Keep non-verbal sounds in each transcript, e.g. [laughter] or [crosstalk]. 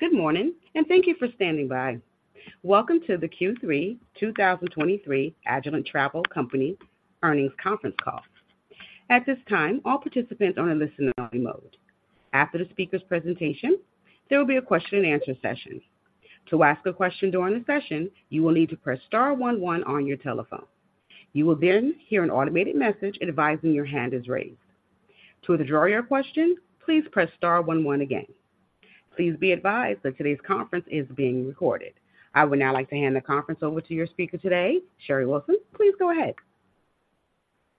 Good morning, and thank you for standing by. Welcome to the Q3 2023 Allegiant Travel Company Earnings Conference Call. At this time, all participants are in listening-only mode. After the speaker's presentation, there will be a question-and-answer session. To ask a question during the session, you will need to press star one one on your telephone. You will then hear an automated message advising your hand is raised. To withdraw your question, please press star one one again. Please be advised that today's conference is being recorded. I would now like to hand the conference over to your speaker today, Sherry Wilson. Please go ahead.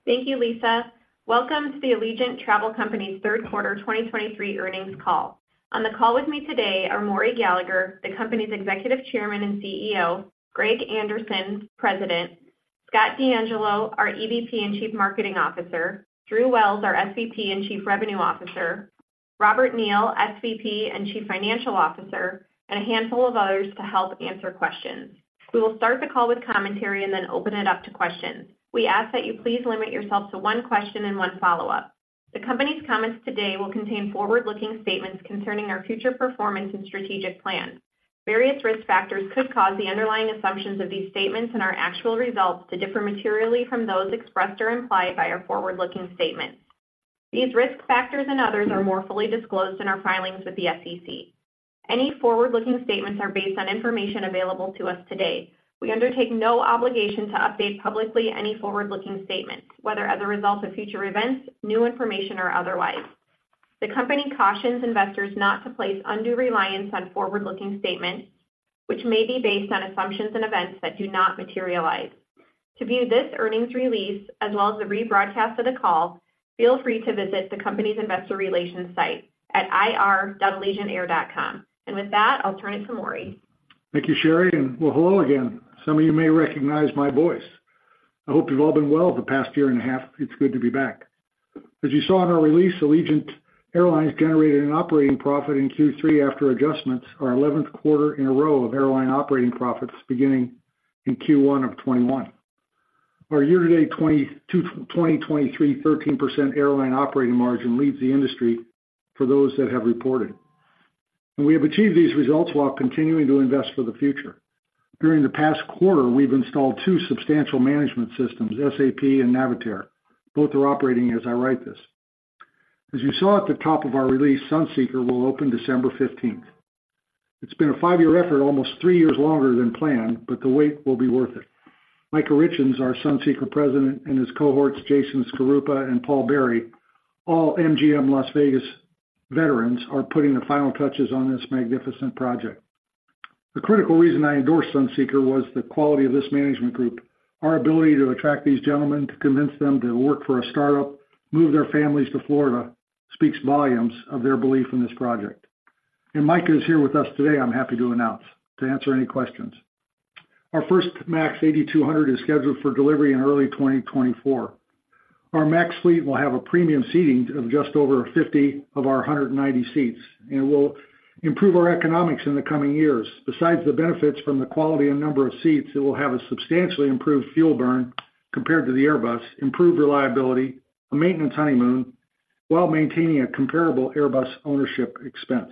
Thank you, Lisa. Welcome to the Allegiant Travel Company Q3 2023 earnings call. On the call with me today are Maury Gallagher, the company's Executive Chairman and CEO, Greg Anderson, President, Scott DeAngelo, our EVP and Chief Marketing Officer, Drew Wells, our SVP and Chief Revenue Officer, Robert Neal, SVP and Chief Financial Officer, and a handful of others to help answer questions. We will start the call with commentary and then open it up to questions. We ask that you please limit yourselves to one question and one follow-up. The company's comments today will contain forward-looking statements concerning our future performance and strategic plans. Various risk factors could cause the underlying assumptions of these statements and our actual results to differ materially from those expressed or implied by our forward-looking statements. These risk factors and others are more fully disclosed in our filings with the SEC. Any forward-looking statements are based on information available to us today. We undertake no obligation to update publicly any forward-looking statements, whether as a result of future events, new information, or otherwise. The company cautions investors not to place undue reliance on forward-looking statements, which may be based on assumptions and events that do not materialize. To view this earnings release, as well as the rebroadcast of the call, feel free to visit the company's investor relations site at ir.allegiantair.com. With that, I'll turn it to Maury. Thank you, Sherry, and well, hello again. Some of you may recognize my voice. I hope you've all been well the past year and a half. It's good to be back. As you saw in our release, Allegiant Airlines generated an operating profit in Q3 after adjustments, our 11th quarter in a row of airline operating profits beginning in Q1 of 2021. Our year-to-date 2023, 13% airline operating margin leads the industry for those that have reported. We have achieved these results while continuing to invest for the future. During the past quarter, we've installed two substantial management systems, SAP and Navitaire. Both are operating as I write this. As you saw at the top of our release, Sunseeker will open December 15. It's been a 5-year effort, almost 3 years longer than planned, but the wait will be worth it. Micah Richins, our Sunseeker President, and his cohorts, Jason Shkorupa and Paul Berry, all MGM Las Vegas veterans, are putting the final touches on this magnificent project. The critical reason I endorsed Sunseeker was the quality of this management group. Our ability to attract these gentlemen, to convince them to work for a startup, move their families to Florida, speaks volumes of their belief in this project. Micah is here with us today, I'm happy to announce, to answer any questions. Our first MAX 8-200 is scheduled for delivery in early 2024. Our MAX fleet will have a premium seating of just over 50 of our 190 seats and will improve our economics in the coming years. Besides the benefits from the quality and number of seats, it will have a substantially improved fuel burn compared to the Airbus, improved reliability, a maintenance honeymoon, while maintaining a comparable Airbus ownership expense.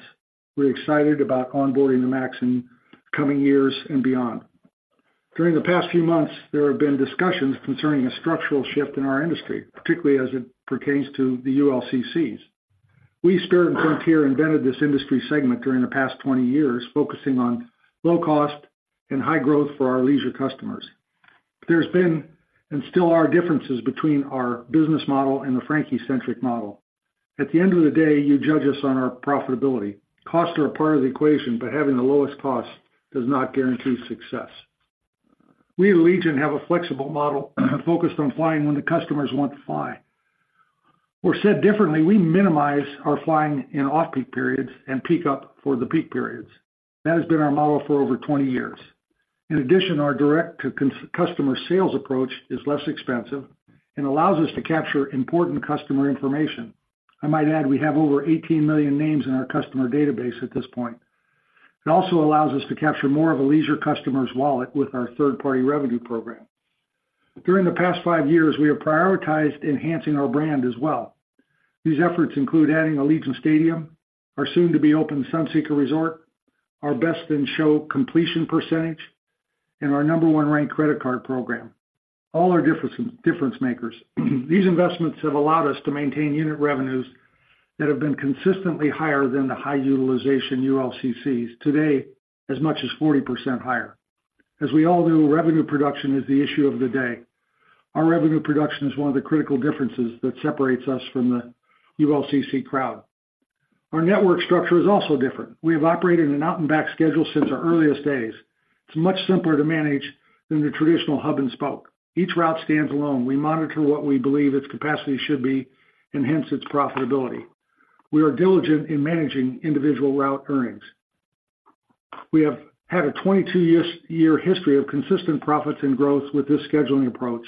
We're excited about onboarding the MAX in coming years and beyond. During the past few months, there have been discussions concerning a structural shift in our industry, particularly as it pertains to the ULCCs. We, Spirit and Frontier, invented this industry segment during the past 20 years, focusing on low cost and high growth for our leisure customers. There's been and still are differences between our business model and the Frontier-centric model. At the end of the day, you judge us on our profitability. Costs are a part of the equation, but having the lowest cost does not guarantee success. We at Allegiant have a flexible model focused on flying when the customers want to fly. Or said differently, we minimize our flying in off-peak periods and peak up for the peak periods. That has been our model for over 20 years. In addition, our direct-to-consumer customer sales approach is less expensive and allows us to capture important customer information. I might add we have over 18 million names in our customer database at this point. It also allows us to capture more of a leisure customer's wallet with our third-party revenue program. During the past 5 years, we have prioritized enhancing our brand as well. These efforts include adding Allegiant Stadium, our soon-to-be-open Sunseeker Resort, our best-in-show completion percentage, and our number-one-ranked credit card program. All are difference, difference makers. These investments have allowed us to maintain unit revenues that have been consistently higher than the high-utilization ULCCs, today, as much as 40% higher. As we all know, revenue production is the issue of the day. Our revenue production is one of the critical differences that separates us from the ULCC crowd. Our network structure is also different. We have operated an out-and-back schedule since our earliest days. It's much simpler to manage than the traditional hub-and-spoke. Each route stands alone. We monitor what we believe its capacity should be and hence its profitability. We are diligent in managing individual route earnings. We have had a 22-year history of consistent profits and growth with this scheduling approach.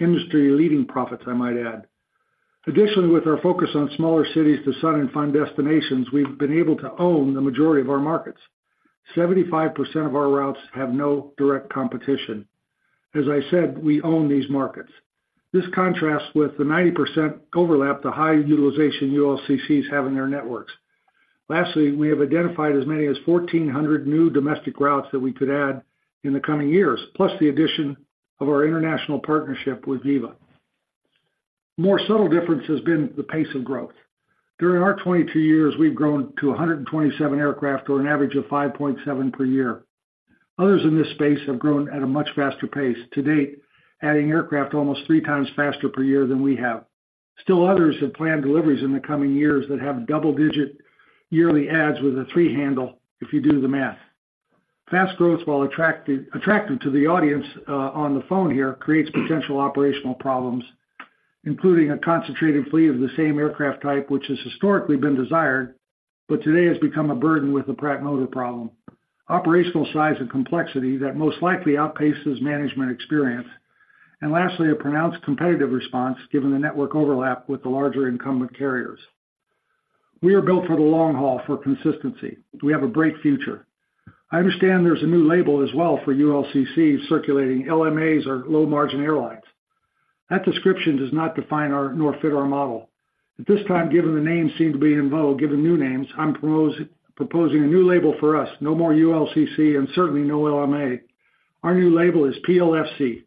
Industry-leading profits, I might add. Additionally, with our focus on smaller cities to sun and fun destinations, we've been able to own the majority of our markets. 75% of our routes have no direct competition. As I said, we own these markets. This contrasts with the 90% overlap, the high utilization ULCCs have in their networks. Lastly, we have identified as many as 1,400 new domestic routes that we could add in the coming years, plus the addition of our international partnership with Viva. More subtle difference has been the pace of growth. During our 22 years, we've grown to 127 aircraft, or an average of 5.7 per year. Others in this space have grown at a much faster pace, to date, adding aircraft almost 3 times faster per year than we have. Still, others have planned deliveries in the coming years that have double-digit yearly adds with a three handle if you do the math. Fast growth, while attractive, attractive to the audience on the phone here, creates potential operational problems, including a concentrated fleet of the same aircraft type, which has historically been desired, but today has become a burden with the Pratt & Whitney problem. Operational size and complexity that most likely outpaces management experience. And lastly, a pronounced competitive response, given the network overlap with the larger incumbent carriers. We are built for the long haul for consistency. We have a bright future. I understand there's a new label as well for ULCC circulating, LMAs or Low Margin Airlines. That description does not define our nor fit our model. At this time, given the names seem to be in vogue, given new names, I'm proposing a new label for us. No more ULCC and certainly no LMA. Our new label is PLFC,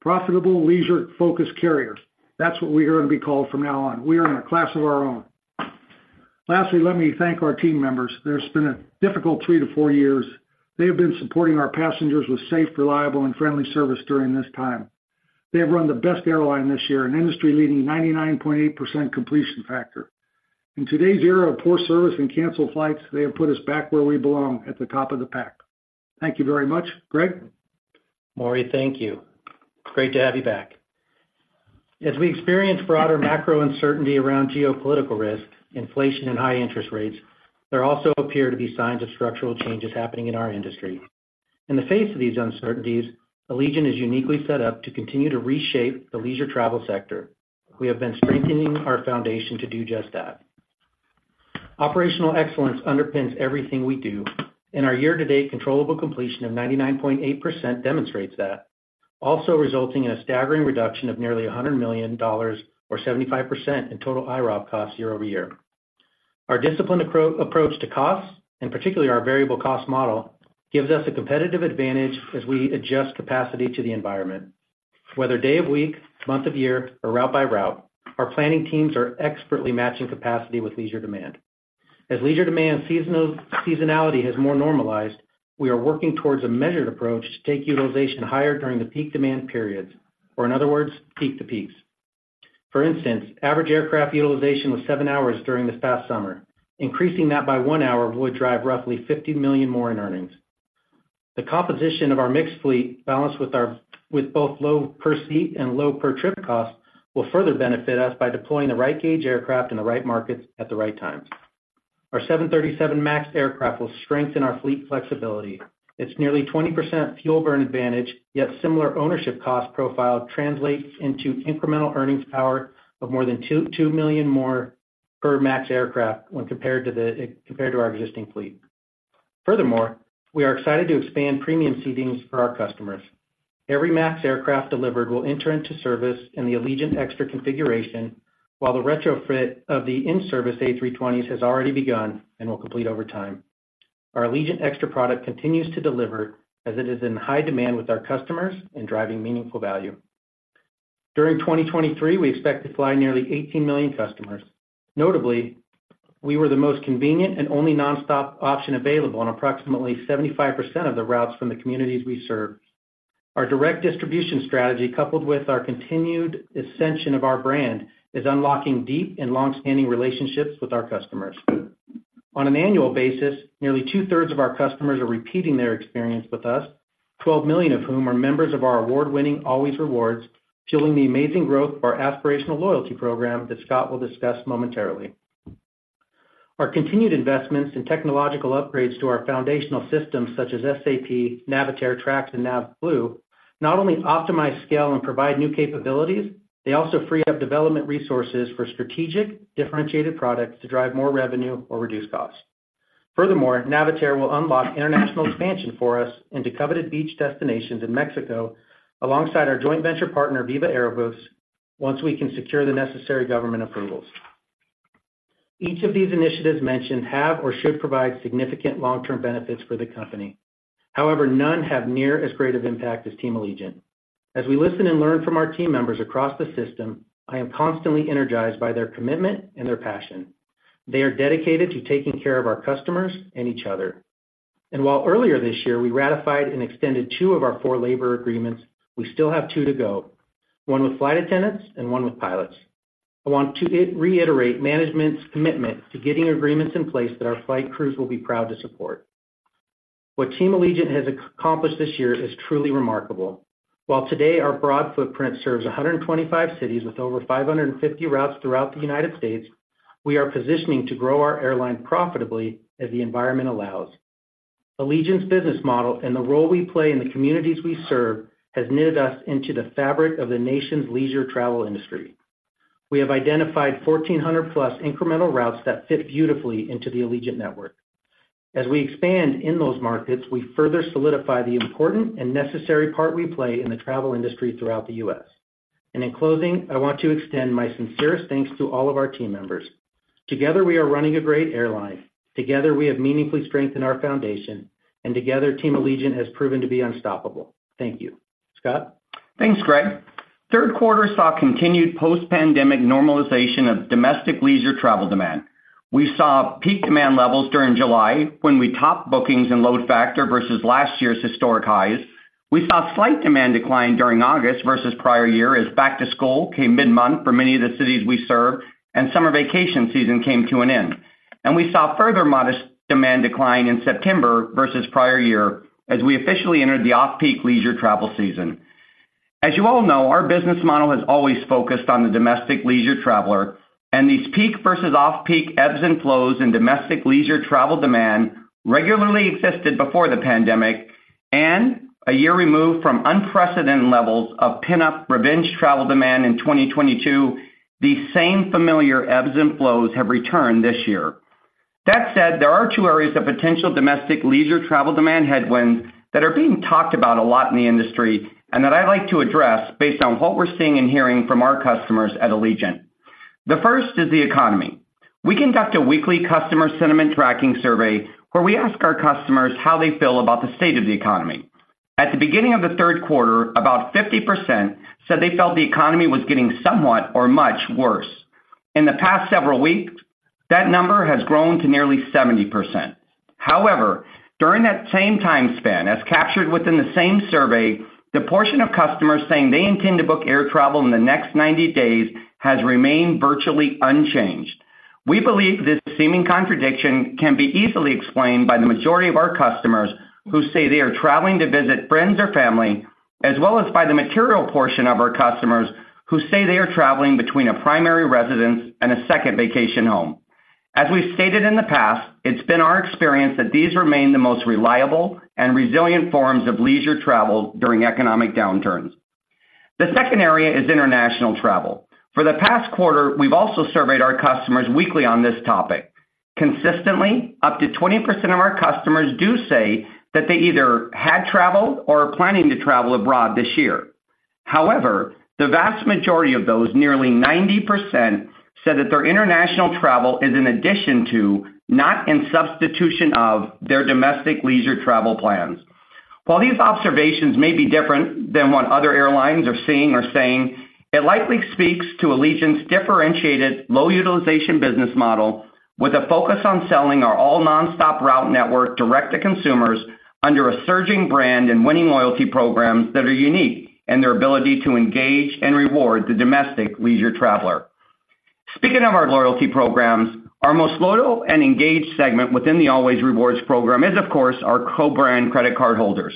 Profitable Leisure Focused Carrier. That's what we are going to be called from now on. We are in a class of our own. Lastly, let me thank our team members. There's been a difficult three to four years. They have been supporting our passengers with safe, reliable, and friendly service during this time. They have run the best airline this year, an industry-leading 99.8% completion factor. In today's era of poor service and canceled flights, they have put us back where we belong, at the top of the pack. Thank you very much. Greg? Maury, thank you. Great to have you back. As we experience broader macro uncertainty around geopolitical risk, inflation, and high interest rates, there also appear to be signs of structural changes happening in our industry. In the face of these uncertainties, Allegiant is uniquely set up to continue to reshape the leisure travel sector. We have been strengthening our foundation to do just that. Operational excellence underpins everything we do, and our year-to-date controllable completion of 99.8% demonstrates that, also resulting in a staggering reduction of nearly $100 million or 75% in total IROP costs year-over-year. Our disciplined approach to costs, and particularly our variable cost model, gives us a competitive advantage as we adjust capacity to the environment. Whether day of week, month of year, or route by route, our planning teams are expertly matching capacity with leisure demand. As leisure demand, seasonality has more normalized, we are working towards a measured approach to take utilization higher during the peak demand periods, or in other words, peak to peaks. For instance, average aircraft utilization was seven hours during this past summer. Increasing that by one hour would drive roughly $50 million more in earnings. The composition of our mixed fleet, balanced with our with both low per seat and low per trip costs, will further benefit us by deploying the right gauge aircraft in the right markets at the right time. Our 737 MAX aircraft will strengthen our fleet flexibility. It's nearly 20% fuel burn advantage, yet similar ownership cost profile translates into incremental earnings power of more than $2 million more per MAX aircraft when compared to the compared to our existing fleet. Furthermore, we are excited to expand premium seatings for our customers. Every MAX aircraft delivered will enter into service in the Allegiant Extra configuration, while the retrofit of the in-service A320s has already begun and will complete over time. Our Allegiant Extra product continues to deliver as it is in high demand with our customers and driving meaningful value. During 2023, we expect to fly nearly 18 million customers. Notably, we were the most convenient and only nonstop option available on approximately 75% of the routes from the communities we serve. Our direct distribution strategy, coupled with our continued ascension of our brand, is unlocking deep and long-standing relationships with our customers. On an annual basis, nearly two-thirds of our customers are repeating their experience with us, 12 million of whom are members of our award-winning Allways Rewards, fueling the amazing growth of our aspirational loyalty program that Scott will discuss momentarily. Our continued investments in technological upgrades to our foundational systems, such as SAP, Navitaire, TRAX, and NAVBLUE, not only optimize scale and provide new capabilities, they also free up development resources for strategic, differentiated products to drive more revenue or reduce costs. Furthermore, Navitaire will unlock international expansion for us into coveted beach destinations in Mexico, alongside our joint venture partner, Viva Aerobus, once we can secure the necessary government approvals. Each of these initiatives mentioned have or should provide significant long-term benefits for the company. However, none have near as great of impact as Team Allegiant. As we listen and learn from our team members across the system, I am constantly energized by their commitment and their passion. They are dedicated to taking care of our customers and each other. While earlier this year, we ratified and extended two of our four labor agreements, we still have two to go, one with flight attendants and one with pilots. I want to reiterate management's commitment to getting agreements in place that our flight crews will be proud to support. What Team Allegiant has accomplished this year is truly remarkable. While today, our broad footprint serves 125 cities with over 550 routes throughout the United States, we are positioning to grow our airline profitably as the environment allows. Allegiant's business model and the role we play in the communities we serve, has knitted us into the fabric of the nation's leisure travel industry. We have identified 14,00+ incremental routes that fit beautifully into the Allegiant network.... As we expand in those markets, we further solidify the important and necessary part we play in the travel industry throughout the U.S. In closing, I want to extend my sincerest thanks to all of our team members. Together, we are running a great airline. Together, we have meaningfully strengthened our foundation, and together, Team Allegiant has proven to be unstoppable. Thank you. Scott? Thanks, Greg. Q3 saw continued post-pandemic normalization of domestic leisure travel demand. We saw peak demand levels during July, when we topped bookings and load factor versus last year's historic highs. We saw slight demand decline during August versus prior year, as back to school came mid-month for many of the cities we serve, and summer vacation season came to an end. We saw further modest demand decline in September versus prior year as we officially entered the off-peak leisure travel season. As you all know, our business model has always focused on the domestic leisure traveler, and these peak versus off-peak ebbs and flows in domestic leisure travel demand regularly existed before the pandemic, and a year removed from unprecedented levels of pent-up revenge travel demand in 2022, the same familiar ebbs and flows have returned this year. That said, there are two areas of potential domestic leisure travel demand headwinds that are being talked about a lot in the industry, and that I'd like to address based on what we're seeing and hearing from our customers at Allegiant. The first is the economy. We conduct a weekly customer sentiment tracking survey, where we ask our customers how they feel about the state of the economy. At the beginning of the Q3, about 50% said they felt the economy was getting somewhat or much worse. In the past several weeks, that number has grown to nearly 70%. However, during that same time span, as captured within the same survey, the portion of customers saying they intend to book air travel in the next 90 days has remained virtually unchanged. We believe this seeming contradiction can be easily explained by the majority of our customers who say they are traveling to visit friends or family, as well as by the material portion of our customers who say they are traveling between a primary residence and a second vacation home. As we've stated in the past, it's been our experience that these remain the most reliable and resilient forms of leisure travel during economic downturns. The second area is international travel. For the past quarter, we've also surveyed our customers weekly on this topic. Consistently, up to 20% of our customers do say that they either had traveled or are planning to travel abroad this year. However, the vast majority of those, nearly 90%, said that their international travel is in addition to, not in substitution of, their domestic leisure travel plans. While these observations may be different than what other airlines are seeing or saying, it likely speaks to Allegiant's differentiated low utilization business model, with a focus on selling our all nonstop route network direct to consumers under a surging brand and winning loyalty programs that are unique in their ability to engage and reward the domestic leisure traveler. Speaking of our loyalty programs, our most loyal and engaged segment within the Allways Rewards program is, of course, our co-branded credit cardholders.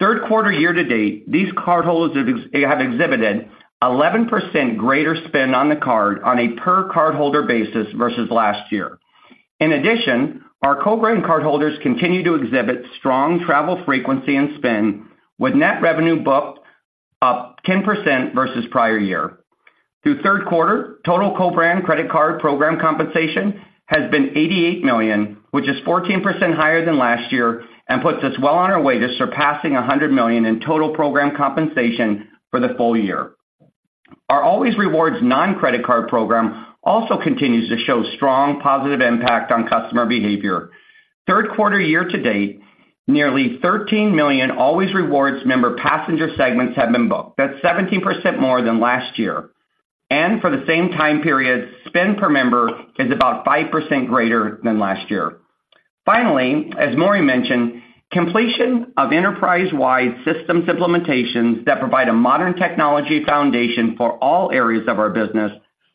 Q3 year to date, these cardholders have exhibited 11% greater spend on the card on a per cardholder basis versus last year. In addition, our co-branded cardholders continue to exhibit strong travel frequency and spend, with net revenue booked up 10% versus prior year. Through Q3, total co-branded credit card program compensation has been $88 million, which is 14% higher than last year and puts us well on our way to surpassing $100 million in total program compensation for the full year. Our Allways Rewards non-credit card program also continues to show strong positive impact on customer behavior. Q3 year to date, nearly 13 million Allways Rewards member passenger segments have been booked. That's 17% more than last year, and for the same time period, spend per member is about 5% greater than last year. Finally, as Maury mentioned, completion of enterprise-wide systems implementations that provide a modern technology foundation for all areas of our business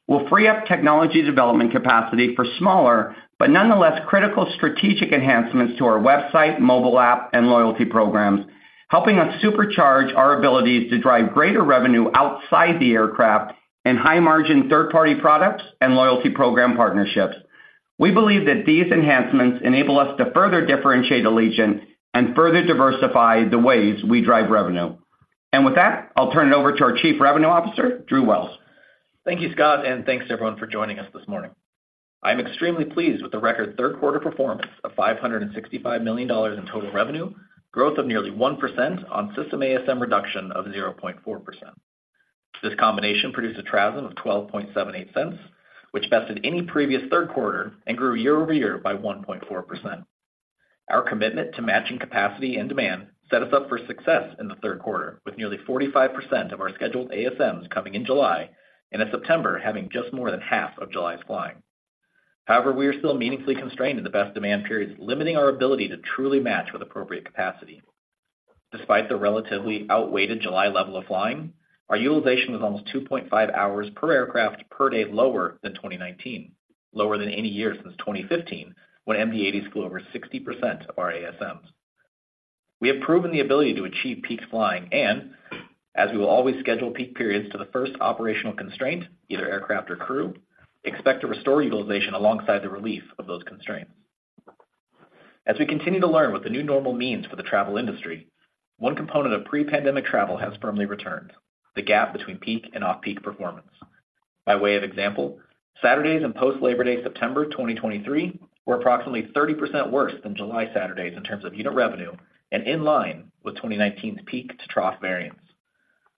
will free up technology development capacity for smaller, but nonetheless critical strategic enhancements to our website, mobile app, and loyalty programs, helping us supercharge our abilities to drive greater revenue outside the aircraft and high-margin third-party products and loyalty program partnerships. We believe that these enhancements enable us to further differentiate Allegiant and further diversify the ways we drive revenue. And with that, I'll turn it over to our Chief Revenue Officer, Drew Wells. Thank you, Scott, and thanks to everyone for joining us this morning. I'm extremely pleased with the record Q3 performance of $565 million in total revenue, growth of nearly 1% on system ASM reduction of 0.4%. This combination produced a TRASM of $0.1278, which bested any previous Q3 and grew year-over-year by 1.4%. Our commitment to matching capacity and demand set us up for success in the Q3, with nearly 45% of our scheduled ASMs coming in July, and in September, having just more than half of July's flying. However, we are still meaningfully constrained in the best demand periods, limiting our ability to truly match with appropriate capacity. Despite the relatively outweighed July level of flying, our utilization was almost 2.5 hours per aircraft per day lower than 2019, lower than any year since 2015, when MD-80s flew over 60% of our ASMs. We have proven the ability to achieve peak flying, and as we will always schedule peak periods to the first operational constraint, either aircraft or crew, expect to restore utilization alongside the relief of those constraints. As we continue to learn what the new normal means for the travel industry, one component of pre-pandemic travel has firmly returned: the gap between peak and off-peak performance. By way of example, Saturdays and post Labor Day, September 2023, were approximately 30% worse than July Saturdays in terms of unit revenue and in line with 2019's peak-to-trough variance.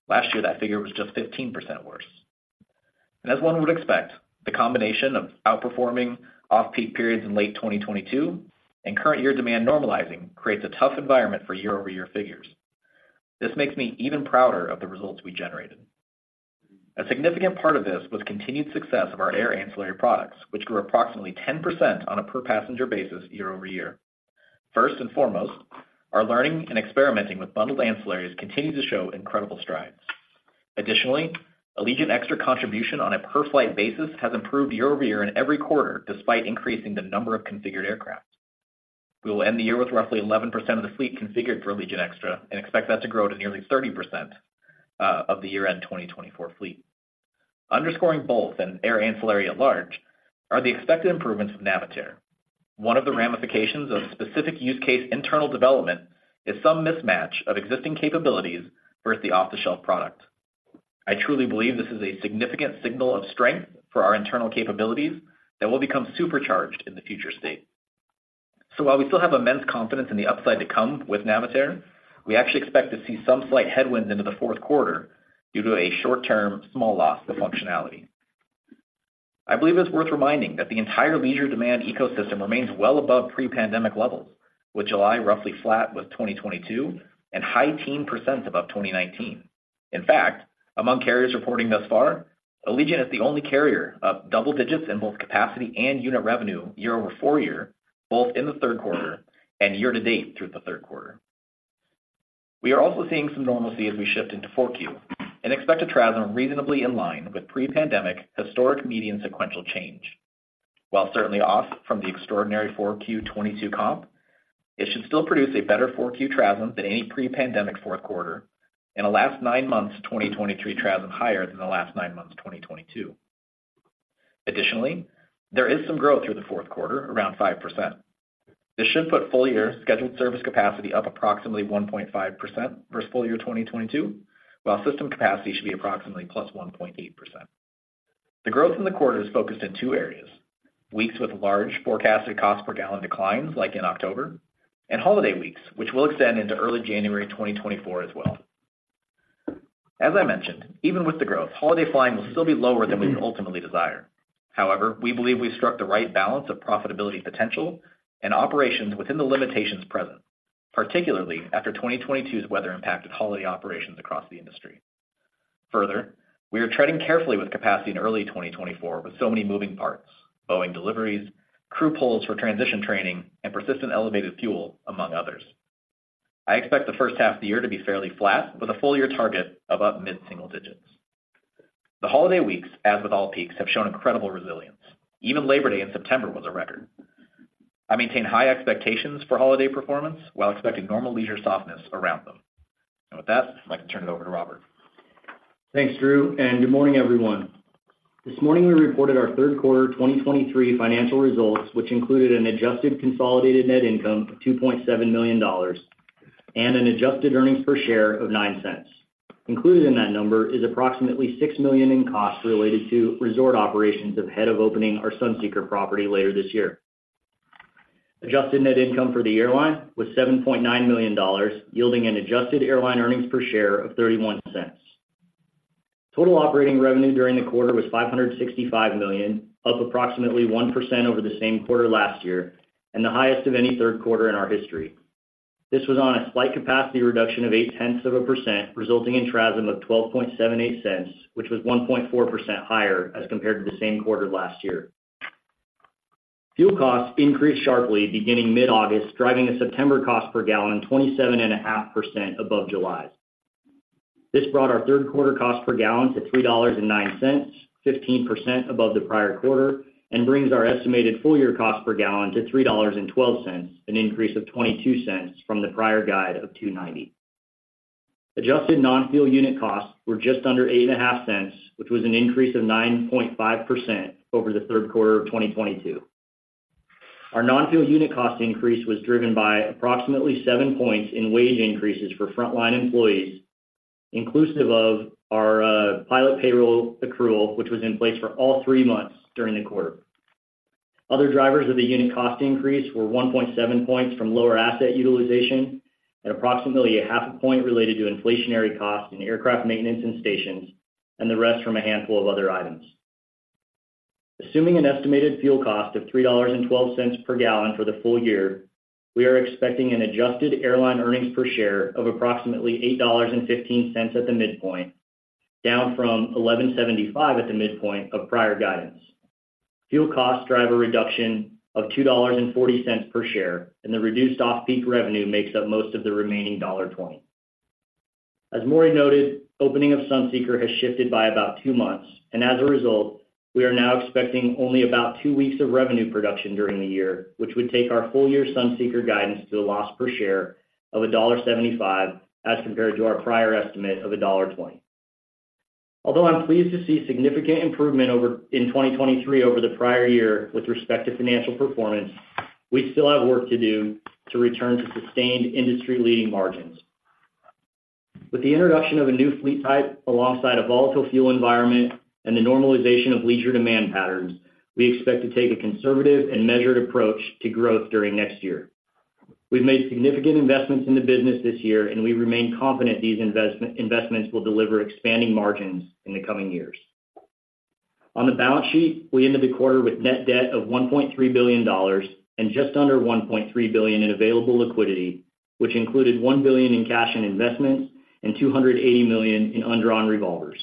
Last year, that figure was just 15% worse. As one would expect, the combination of outperforming off-peak periods in late 2022 and current year demand normalizing creates a tough environment for year-over-year figures. This makes me even prouder of the results we generated. A significant part of this was continued success of our air ancillary products, which grew approximately 10% on a per-passenger basis year-over-year. First and foremost, our learning and experimenting with bundled ancillaries continue to show incredible strides. Additionally, Allegiant Extra contribution on a per-flight basis has improved year-over-year in every quarter, despite increasing the number of configured aircraft. We will end the year with roughly 11% of the fleet configured for Allegiant Extra and expect that to grow to nearly 30% of the year-end 2024 fleet. Underscoring both and air ancillary at large are the expected improvements of Navitaire. One of the ramifications of specific use case internal development is some mismatch of existing capabilities versus the off-the-shelf product. I truly believe this is a significant signal of strength for our internal capabilities that will become supercharged in the future state. So while we still have immense confidence in the upside to come with Navitaire, we actually expect to see some slight headwinds into the Q4 due to a short-term, small loss of functionality. I believe it's worth reminding that the entire leisure demand ecosystem remains well above pre-pandemic levels, with July roughly flat with 2022 and high teens% above 2019. In fact, among carriers reporting thus far, Allegiant is the only carrier up double digits in both capacity and unit revenue year-over-year, both in the Q3 and year to date through the Q3. We are also seeing some normalcy as we shift into Q4 and expect a TRASM reasonably in line with pre-pandemic historic median sequential change. While certainly off from the extraordinary Q4 2022 comp, it should still produce a better Q4 TRASM than any pre-pandemic Q4 and a last nine months, 2023 TRASM higher than the last nine months of 2022. Additionally, there is some growth through the Q4, around 5%. This should put full year scheduled service capacity up approximately 1.5% versus full year 2022, while system capacity should be approximately +1.8%. The growth in the quarter is focused in two areas: weeks with large forecasted cost per gallon declines, like in October, and holiday weeks, which will extend into early January 2024 as well. As I mentioned, even with the growth, holiday flying will still be lower than we would ultimately desire. However, we believe we've struck the right balance of profitability, potential, and operations within the limitations present, particularly after 2022's weather impacted holiday operations across the industry. Further, we are treading carefully with capacity in early 2024 with so many moving parts, Boeing deliveries, crew pools for transition training, and persistent elevated fuel, among others. I expect the first half of the year to be fairly flat, with a full year target of up mid-single digits. The holiday weeks, as with all peaks, have shown incredible resilience. Even Labor Day in September was a record. I maintain high expectations for holiday performance while expecting normal leisure softness around them. With that, I'd like to turn it over to Robert. Thanks, Drew, and good morning, everyone. This morning, we reported our Q3 2023 financial results, which included an adjusted consolidated net income of $2.7 million and an adjusted earnings per share of $0.09. Included in that number is approximately $6 million in costs related to resort operations ahead of opening our Sunseeker property later this year. Adjusted net income for the airline was $7.9 million, yielding an adjusted airline earnings per share of $0.31. Total operating revenue during the quarter was $565 million, up approximately 1% over the same quarter last year and the highest of any Q3 in our history. This was on a slight capacity reduction of 0.8%, resulting in TRASM of $0.1278, which was 1.4% higher as compared to the same quarter last year. Fuel costs increased sharply beginning mid-August, driving a September cost per gallon 27.5% above July's. This brought our Q3 cost per gallon to $3.09, 15% above the prior quarter, and brings our estimated full year cost per gallon to $3.12, an increase of $0.22 from the prior guide of $2.90. Adjusted non-fuel unit costs were just under $0.085, which was an increase of 9.5% over the Q3 of 2022. Our non-fuel unit cost increase was driven by approximately seven points in wage increases for frontline employees, inclusive of our pilot payroll accrual, which was in place for all three months during the quarter. Other drivers of the unit cost increase were 1.7 points from lower asset utilization and approximately 0.5 point related to inflationary costs in aircraft maintenance and stations, and the rest from a handful of other items. Assuming an estimated fuel cost of $3.12 per gallon for the full year, we are expecting an adjusted airline earnings per share of approximately $8.15 at the midpoint, down from $11.75 at the midpoint of prior guidance. Fuel costs drive a reduction of $2.40 per share, and the reduced off-peak revenue makes up most of the remaining $1.20. As Maury noted, opening of Sunseeker has shifted by about two months, and as a result, we are now expecting only about two weeks of revenue production during the year, which would take our full-year Sunseeker guidance to a loss per share of $1.75, as compared to our prior estimate of $1.20. Although I'm pleased to see significant improvement in 2023 over the prior year with respect to financial performance, we still have work to do to return to sustained industry-leading margins. With the introduction of a new fleet type, alongside a volatile fuel environment and the normalization of leisure demand patterns, we expect to take a conservative and measured approach to growth during next year. We've made significant investments in the business this year, and we remain confident these investments will deliver expanding margins in the coming years. On the balance sheet, we ended the quarter with net debt of $1.3 billion and just under $1.3 billion in available liquidity, which included $1 billion in cash and investments and $280 million in undrawn revolvers.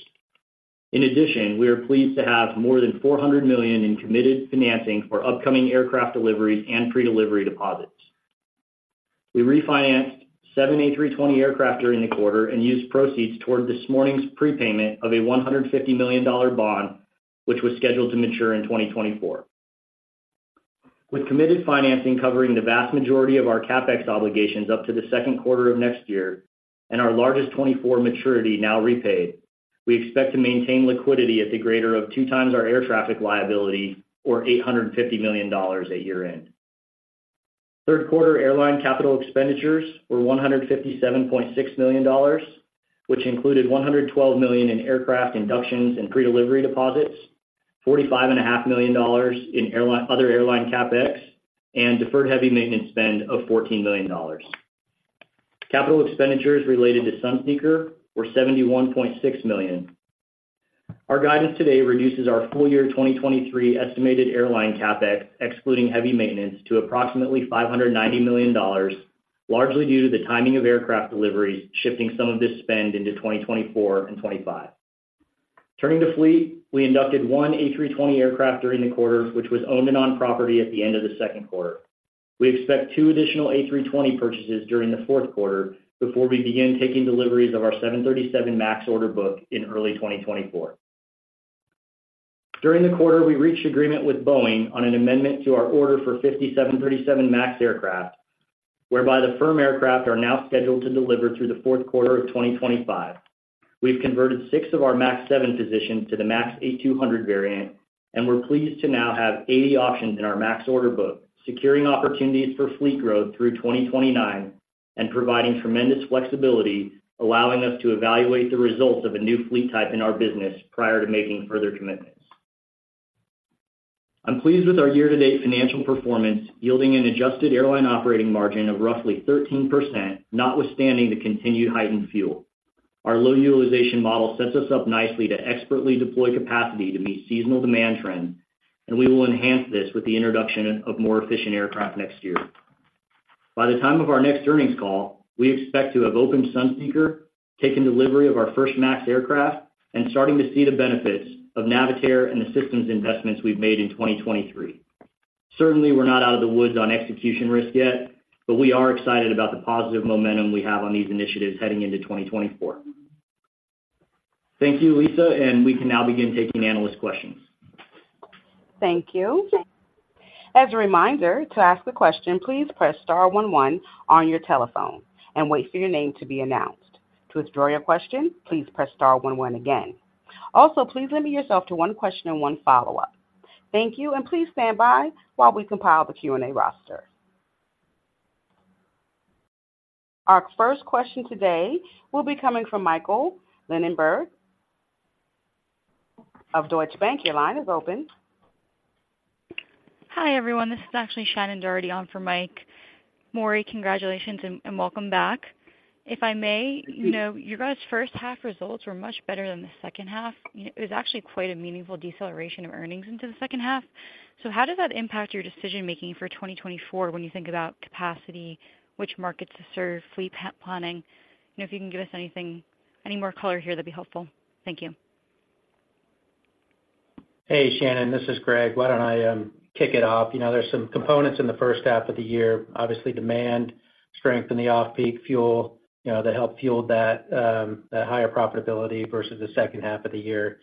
In addition, we are pleased to have more than $400 million in committed financing for upcoming aircraft deliveries and predelivery deposits. We refinanced 7 A320 aircraft during the quarter and used proceeds toward this morning's prepayment of a $150 million bond, which was scheduled to mature in 2024. With committed financing covering the vast majority of our CapEx obligations up to the Q2 of next year and our largest 2024 maturity now repaid, we expect to maintain liquidity at the greater of 2x our air traffic liability or $850 million at year-end. Q3 airline capital expenditures were $157.6 million, which included $112 million in aircraft inductions and predelivery deposits, $45.5 million in other airline CapEx, and deferred heavy maintenance spend of $14 million. Capital expenditures related to Sunseeker were $71.6 million. Our guidance today reduces our full year 2023 estimated airline CapEx, excluding heavy maintenance, to approximately $590 million, largely due to the timing of aircraft deliveries, shifting some of this spend into 2024 and 2025. Turning to fleet, we inducted one A320 aircraft during the quarter, which was owned and on property at the end of the Q2. We expect two additional A320 purchases during the Q4 before we begin taking deliveries of our 737 MAX order book in early 2024. During the quarter, we reached agreement with Boeing on an amendment to our order for 50 737 MAX aircraft, whereby the firm aircraft are now scheduled to deliver through the Q4 of 2025. We've converted 6 of our MAX 7 positions to the MAX 8-200 variant, and we're pleased to now have 80 options in our MAX order book, securing opportunities for fleet growth through 2029 and providing tremendous flexibility, allowing us to evaluate the results of a new fleet type in our business prior to making further commitments. I'm pleased with our year-to-date financial performance, yielding an adjusted airline operating margin of roughly 13%, notwithstanding the continued heightened fuel. Our low utilization model sets us up nicely to expertly deploy capacity to meet seasonal demand trends, and we will enhance this with the introduction of more efficient aircraft next year. By the time of our next earnings call, we expect to have opened Sunseeker, taken delivery of our first MAX aircraft, and starting to see the benefits of Navitaire and the systems investments we've made in 2023. Certainly, we're not out of the woods on execution risk yet, but we are excited about the positive momentum we have on these initiatives heading into 2024. Thank you, Lisa, and we can now begin taking analyst questions. Thank you. As a reminder, to ask a question, please press star one one on your telephone and wait for your name to be announced. To withdraw your question, please press star one one again. Also, please limit yourself to one question and one follow-up. Thank you, and please stand by while we compile the Q&A roster. Our first question today will be coming from Michael Linenberg of Deutsche Bank. Your line is open. Hi, everyone. This is actually Shannon Doherty on for Mike. Maury, congratulations and, and welcome back. If I may, you know, you guys' first half results were much better than the second half. It was actually quite a meaningful deceleration of earnings into the second half. So how does that impact your decision-making for 2024 when you think about capacity, which markets to serve, fleet planning? You know, if you can give us anything, any more color here, that'd be helpful. Thank you. Hey, Shannon, this is Greg. Why don't I kick it off? You know, there's some components in the first half of the year, obviously, demand, strength in the off-peak fuel, you know, that helped fuel that that higher profitability versus the second half of the year.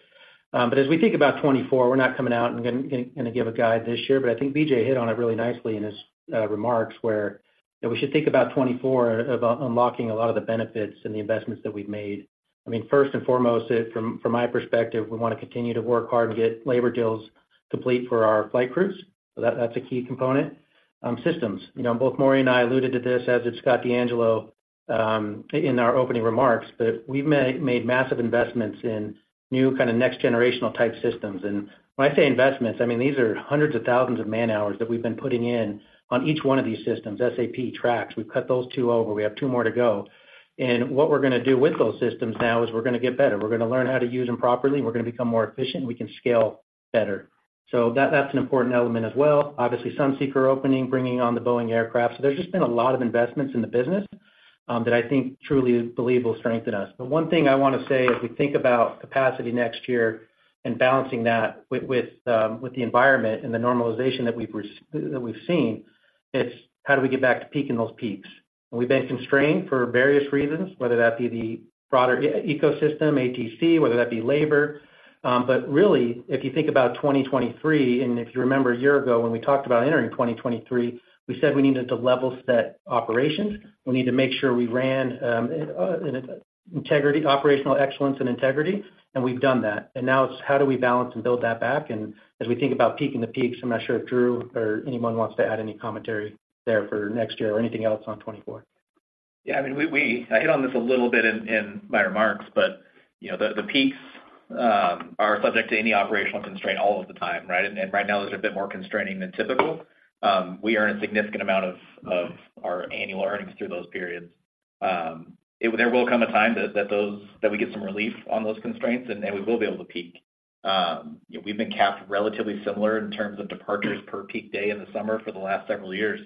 But as we think about 2024, we're not coming out and gonna give a guide this year, but I think BJ hit on it really nicely in his remarks, where that we should think about 2024 of unlocking a lot of the benefits and the investments that we've made. I mean, first and foremost, from my perspective, we wanna continue to work hard to get labor deals complete for our flight crews. So that, that's a key component. Systems, you know, both Maury and I alluded to this, as did Scott DeAngelo, in our opening remarks, but we've made, made massive investments in new kind of next-generational type systems. And when I say investments, I mean, these are hundreds of thousands of man-hours that we've been putting in on each one of these systems, SAP, TRAX. We've got those two over, we have two more to go. And what we're gonna do with those systems now is we're gonna get better. We're gonna learn how to use them properly, we're gonna become more efficient, we can scale better. So that, that's an important element as well. Obviously, Sunseeker opening, bringing on the Boeing aircraft. So there's just been a lot of investments in the business, that I think truly believe will strengthen us. But one thing I wanna say, as we think about capacity next year and balancing that with, with, the environment and the normalization that we've seen, it's how do we get back to peaking those peaks? And we've been constrained for various reasons, whether that be the broader ecosystem, ATC, whether that be labor. But really, if you think about 2023, and if you remember a year ago when we talked about entering 2023, we said we needed to level set operations, we need to make sure we ran integrity, operational excellence and integrity, and we've done that. And now it's how do we balance and build that back? And as we think about peaking the peaks, I'm not sure if Drew or anyone wants to add any commentary there for next year or anything else on 2024?... Yeah, I mean, we hit on this a little bit in my remarks, but you know, the peaks are subject to any operational constraint all of the time, right? Right now, there's a bit more constraining than typical. We earn a significant amount of our annual earnings through those periods. There will come a time that we get some relief on those constraints, and then we will be able to peak. We've been capped relatively similar in terms of departures per peak day in the summer for the last several years,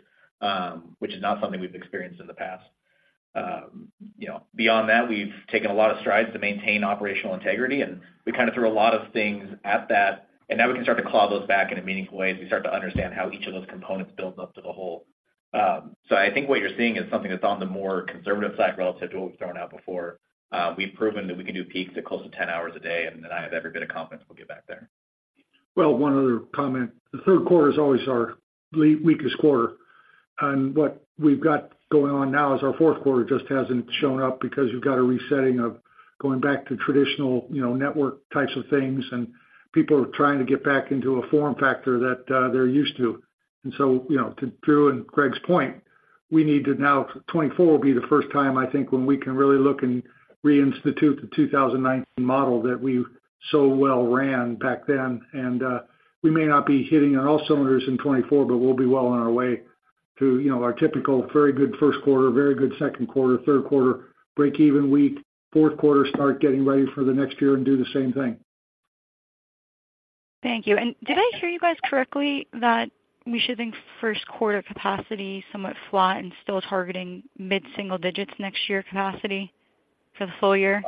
which is not something we've experienced in the past. You know, beyond that, we've taken a lot of strides to maintain operational integrity, and we kind of threw a lot of things at that, and now we can start to claw those back in a meaningful way as we start to understand how each of those components builds up to the whole. So I think what you're seeing is something that's on the more conservative side relative to what we've thrown out before. We've proven that we can do peaks at close to 10 hours a day, and then I have every bit of confidence we'll get back there. Well, one other comment. The Q3 is always our weakest quarter, and what we've got going on now is our Q4 just hasn't shown up because you've got a resetting of going back to traditional, you know, network types of things, and people are trying to get back into a form factor that they're used to. And so, you know, to Drew and Greg's point, we need to now, 2024 will be the first time, I think, when we can really look and reinstitute the 2019 model that we so well ran back then. We may not be hitting on all cylinders in 2024, but we'll be well on our way to, you know, our typical very good Q1, very good Q2, Q3, break even, weak Q4, start getting ready for the next year and do the same thing. Thank you. And did I hear you guys correctly, that we should think Q1 capacity somewhat flat and still targeting mid-single digits next year capacity for the full year?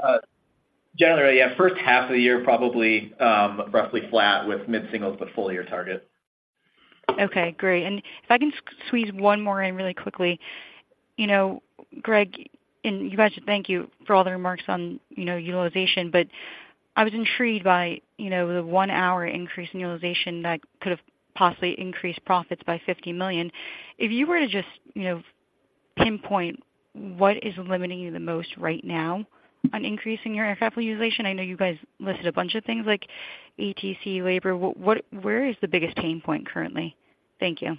Generally, yeah, first half of the year, probably roughly flat with mid-singles, but full year target. Okay, great. And if I can squeeze one more in really quickly. You know, Greg, and you guys, thank you for all the remarks on, you know, utilization, but I was intrigued by, you know, the one-hour increase in utilization that could have possibly increased profits by $50 million. If you were to just, you know, pinpoint what is limiting you the most right now on increasing your aircraft utilization, I know you guys listed a bunch of things like ATC, labor. Where is the biggest pain point currently? Thank you.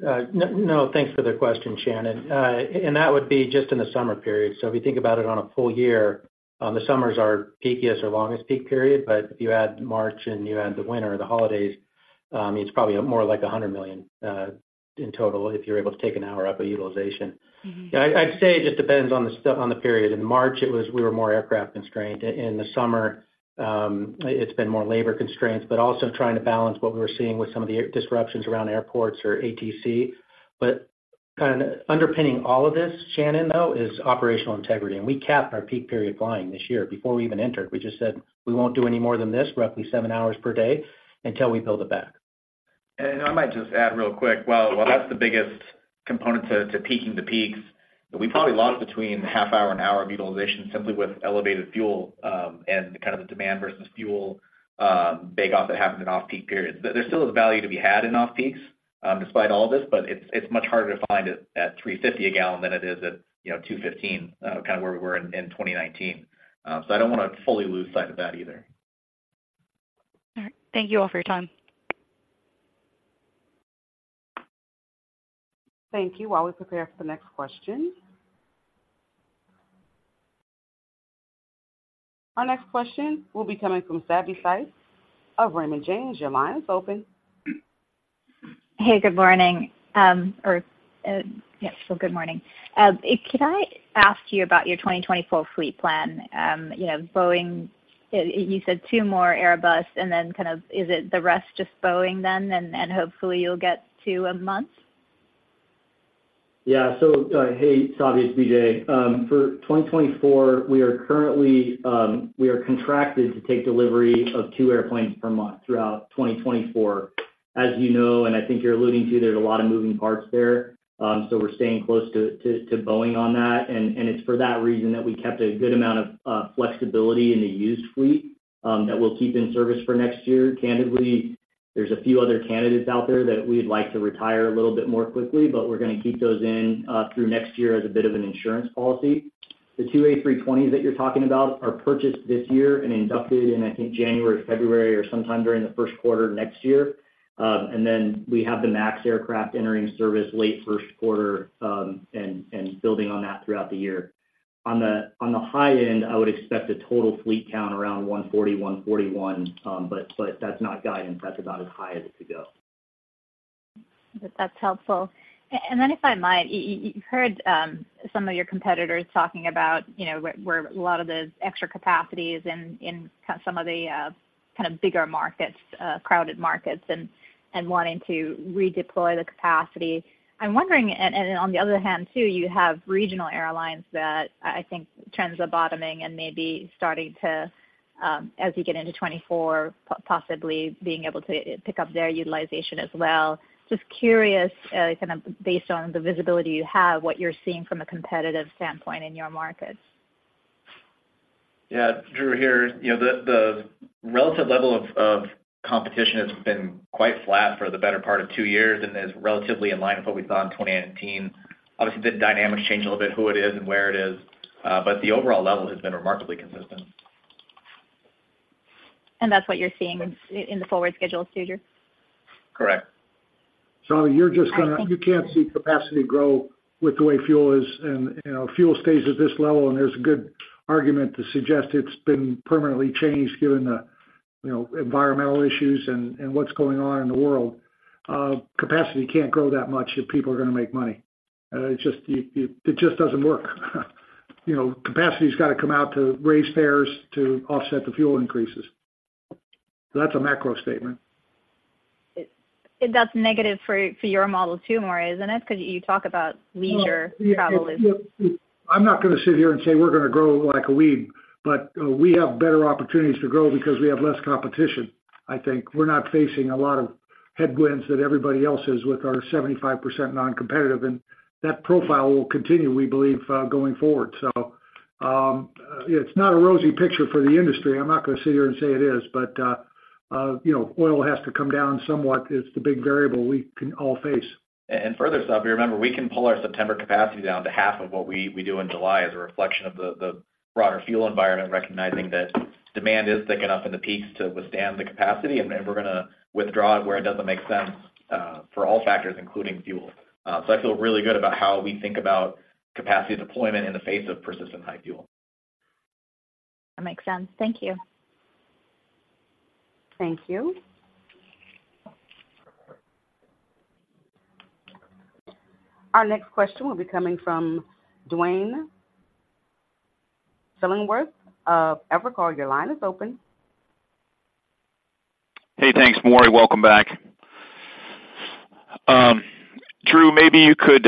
No, no, thanks for the question, Shannon. That would be just in the summer period. If you think about it on a full year, the summers are our peakiest or longest peak period, but if you add March and you add the winter, the holidays, it's probably more like $100 million in total, if you're able to take an hour up of utilization. I'd say it just depends on the period. In March, it was we were more aircraft constrained. In the summer, it's been more labor constraints, but also trying to balance what we were seeing with some of the disruptions around airports or ATC. But kind of underpinning all of this, Shannon, though, is operational integrity, and we capped our peak period flying this year. Before we even entered, we just said, "We won't do any more than this, roughly seven hours per day, until we build it back. I might just add real quick. While that's the biggest component to peaking the peaks, we probably lost between half hour and an hour of utilization simply with elevated fuel, and kind of the demand versus fuel bake-off that happens in off-peak periods. There still is value to be had in off-peaks, despite all of this, but it's much harder to find it at $3.50 a gallon than it is at, you know, $2.15, kind of where we were in 2019. So I don't want to fully lose sight of that either. All right. Thank you all for your time. Thank you. While we prepare for the next question. Our next question will be coming from Savi Syth of Raymond James. Your line is open. Hey, good morning. Could I ask you about your 2024 fleet plan? You know, Boeing, you said 2 more Airbus, and then kind of, is it the rest just Boeing then, and hopefully you'll get to a month? Yeah. So, hey, Savi, it's BJ. For 2024, we are currently contracted to take delivery of two airplanes per month throughout 2024. As you know, and I think you're alluding to, there's a lot of moving parts there, so we're staying close to Boeing on that. And it's for that reason that we kept a good amount of flexibility in the used fleet that we'll keep in service for next year. Candidly, there's a few other candidates out there that we'd like to retire a little bit more quickly, but we're going to keep those in through next year as a bit of an insurance policy. The two A320s that you're talking about are purchased this year and inducted in, I think, January, February or sometime during the Q1 of next year. And then we have the MAX aircraft entering service late Q1, and building on that throughout the year. On the high end, I would expect a total fleet count around 140, 141, but that's not guidance. That's about as high as it could go. That's helpful. And then, if I might, you heard, some of your competitors talking about, you know, where, where a lot of the extra capacity is in, in kind of some of the, kind of bigger markets, crowded markets and, and wanting to redeploy the capacity. I'm wondering, and, and on the other hand, too, you have regional airlines that I, I think trends are bottoming and maybe starting to, as you get into 2024, possibly being able to pick up their utilization as well. Just curious, kind of based on the visibility you have, what you're seeing from a competitive standpoint in your markets. Yeah, Drew here. You know, the relative level of competition has been quite flat for the better part of two years and is relatively in line with what we saw in 2019. Obviously, the dynamics change a little bit, who it is and where it is, but the overall level has been remarkably consistent. That's what you're seeing in the forward schedule, Drew? Correct. So you're just gonna you can't see capacity grow with the way fuel is, and, you know, fuel stays at this level, and there's a good argument to suggest it's been permanently changed given the, you know, environmental issues and what's going on in the world. Capacity can't grow that much if people are going to make money. It just doesn't work. You know, capacity's got to come out to raise fares to offset the fuel increases. So that's a macro statement. That's negative for your model too, Maury, isn't it? Because you talk about leisure travel. Well, yeah, I'm not going to sit here and say we're going to grow like a weed, but we have better opportunities to grow because we have less competition, I think. We're not facing a lot of headwinds that everybody else is with our 75% non-competitive, and that profile will continue, we believe, going forward. So, it's not a rosy picture for the industry. I'm not going to sit here and say it is, but you know, oil has to come down somewhat. It's the big variable we can all face. And further, so if you remember, we can pull our September capacity down to half of what we, we do in July as a reflection of the, the broader fuel environment, recognizing that demand is thick enough in the peaks to withstand the capacity, and we're going to withdraw it where it doesn't make sense, for all factors, including fuel. So I feel really good about how we think about capacity deployment in the face of persistent high fuel. That makes sense. Thank you. Thank you. Our next question will be coming from Duane Pfennigwerth of Evercore. Your line is open. Hey, thanks, Maury. Welcome back. Drew, maybe you could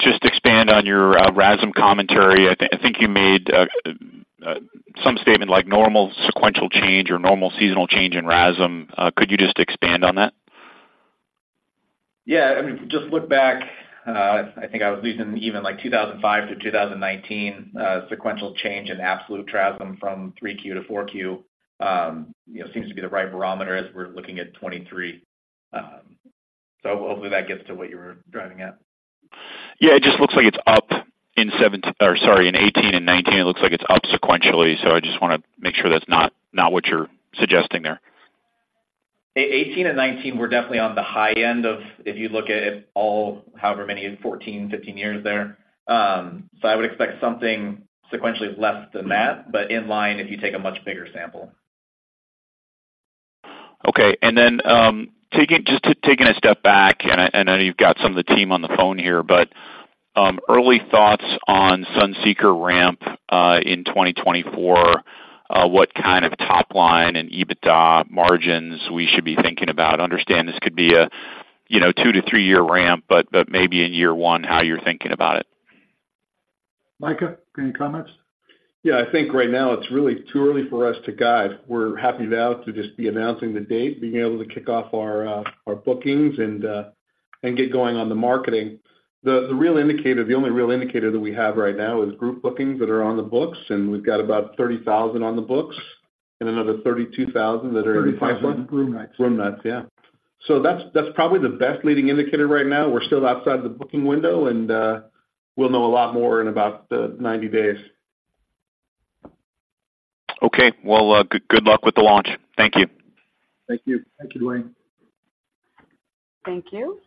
just expand on your RASM commentary. I think you made some statement like normal sequential change or normal seasonal change in RASM. Could you just expand on that? Yeah, I mean, just look back, I think I was leaving even, like, 2005 to 2019, sequential change in absolute RASM from Q3 to Q4, you know, seems to be the right barometer as we're looking at 2023. So hopefully that gets to what you were driving at. Yeah, it just looks like it's up in 17-- or sorry, in 18 and 19, it looks like it's up sequentially. So I just want to make sure that's not, not what you're suggesting there. 18 and 19 were definitely on the high end of if you look at it all, however many, 14, 15 years there. So I would expect something sequentially less than that, but in line, if you take a much bigger sample. Okay. And then, taking just a step back, and I know you've got some of the team on the phone here, but early thoughts on Sunseeker ramp in 2024, what kind of top line and EBITDA margins we should be thinking about? I understand this could be a, you know, two to three year ramp, but maybe in year one, how you're thinking about it. Micah, any comments? Yeah, I think right now it's really too early for us to guide. We're happy now to just be announcing the date, being able to kick off our bookings and get going on the marketing. The real indicator, the only real indicator that we have right now is group bookings that are on the books, and we've got about 30,000 on the books and another 32,000 that are in- [crosstalk] 32,000 room nights. Room nights, yeah. So that's probably the best leading indicator right now. We're still outside the booking window, and we'll know a lot more in about 90 days. Okay. Well, good, good luck with the launch. Thank you. Thank you. Thank you, Duane. Thank you.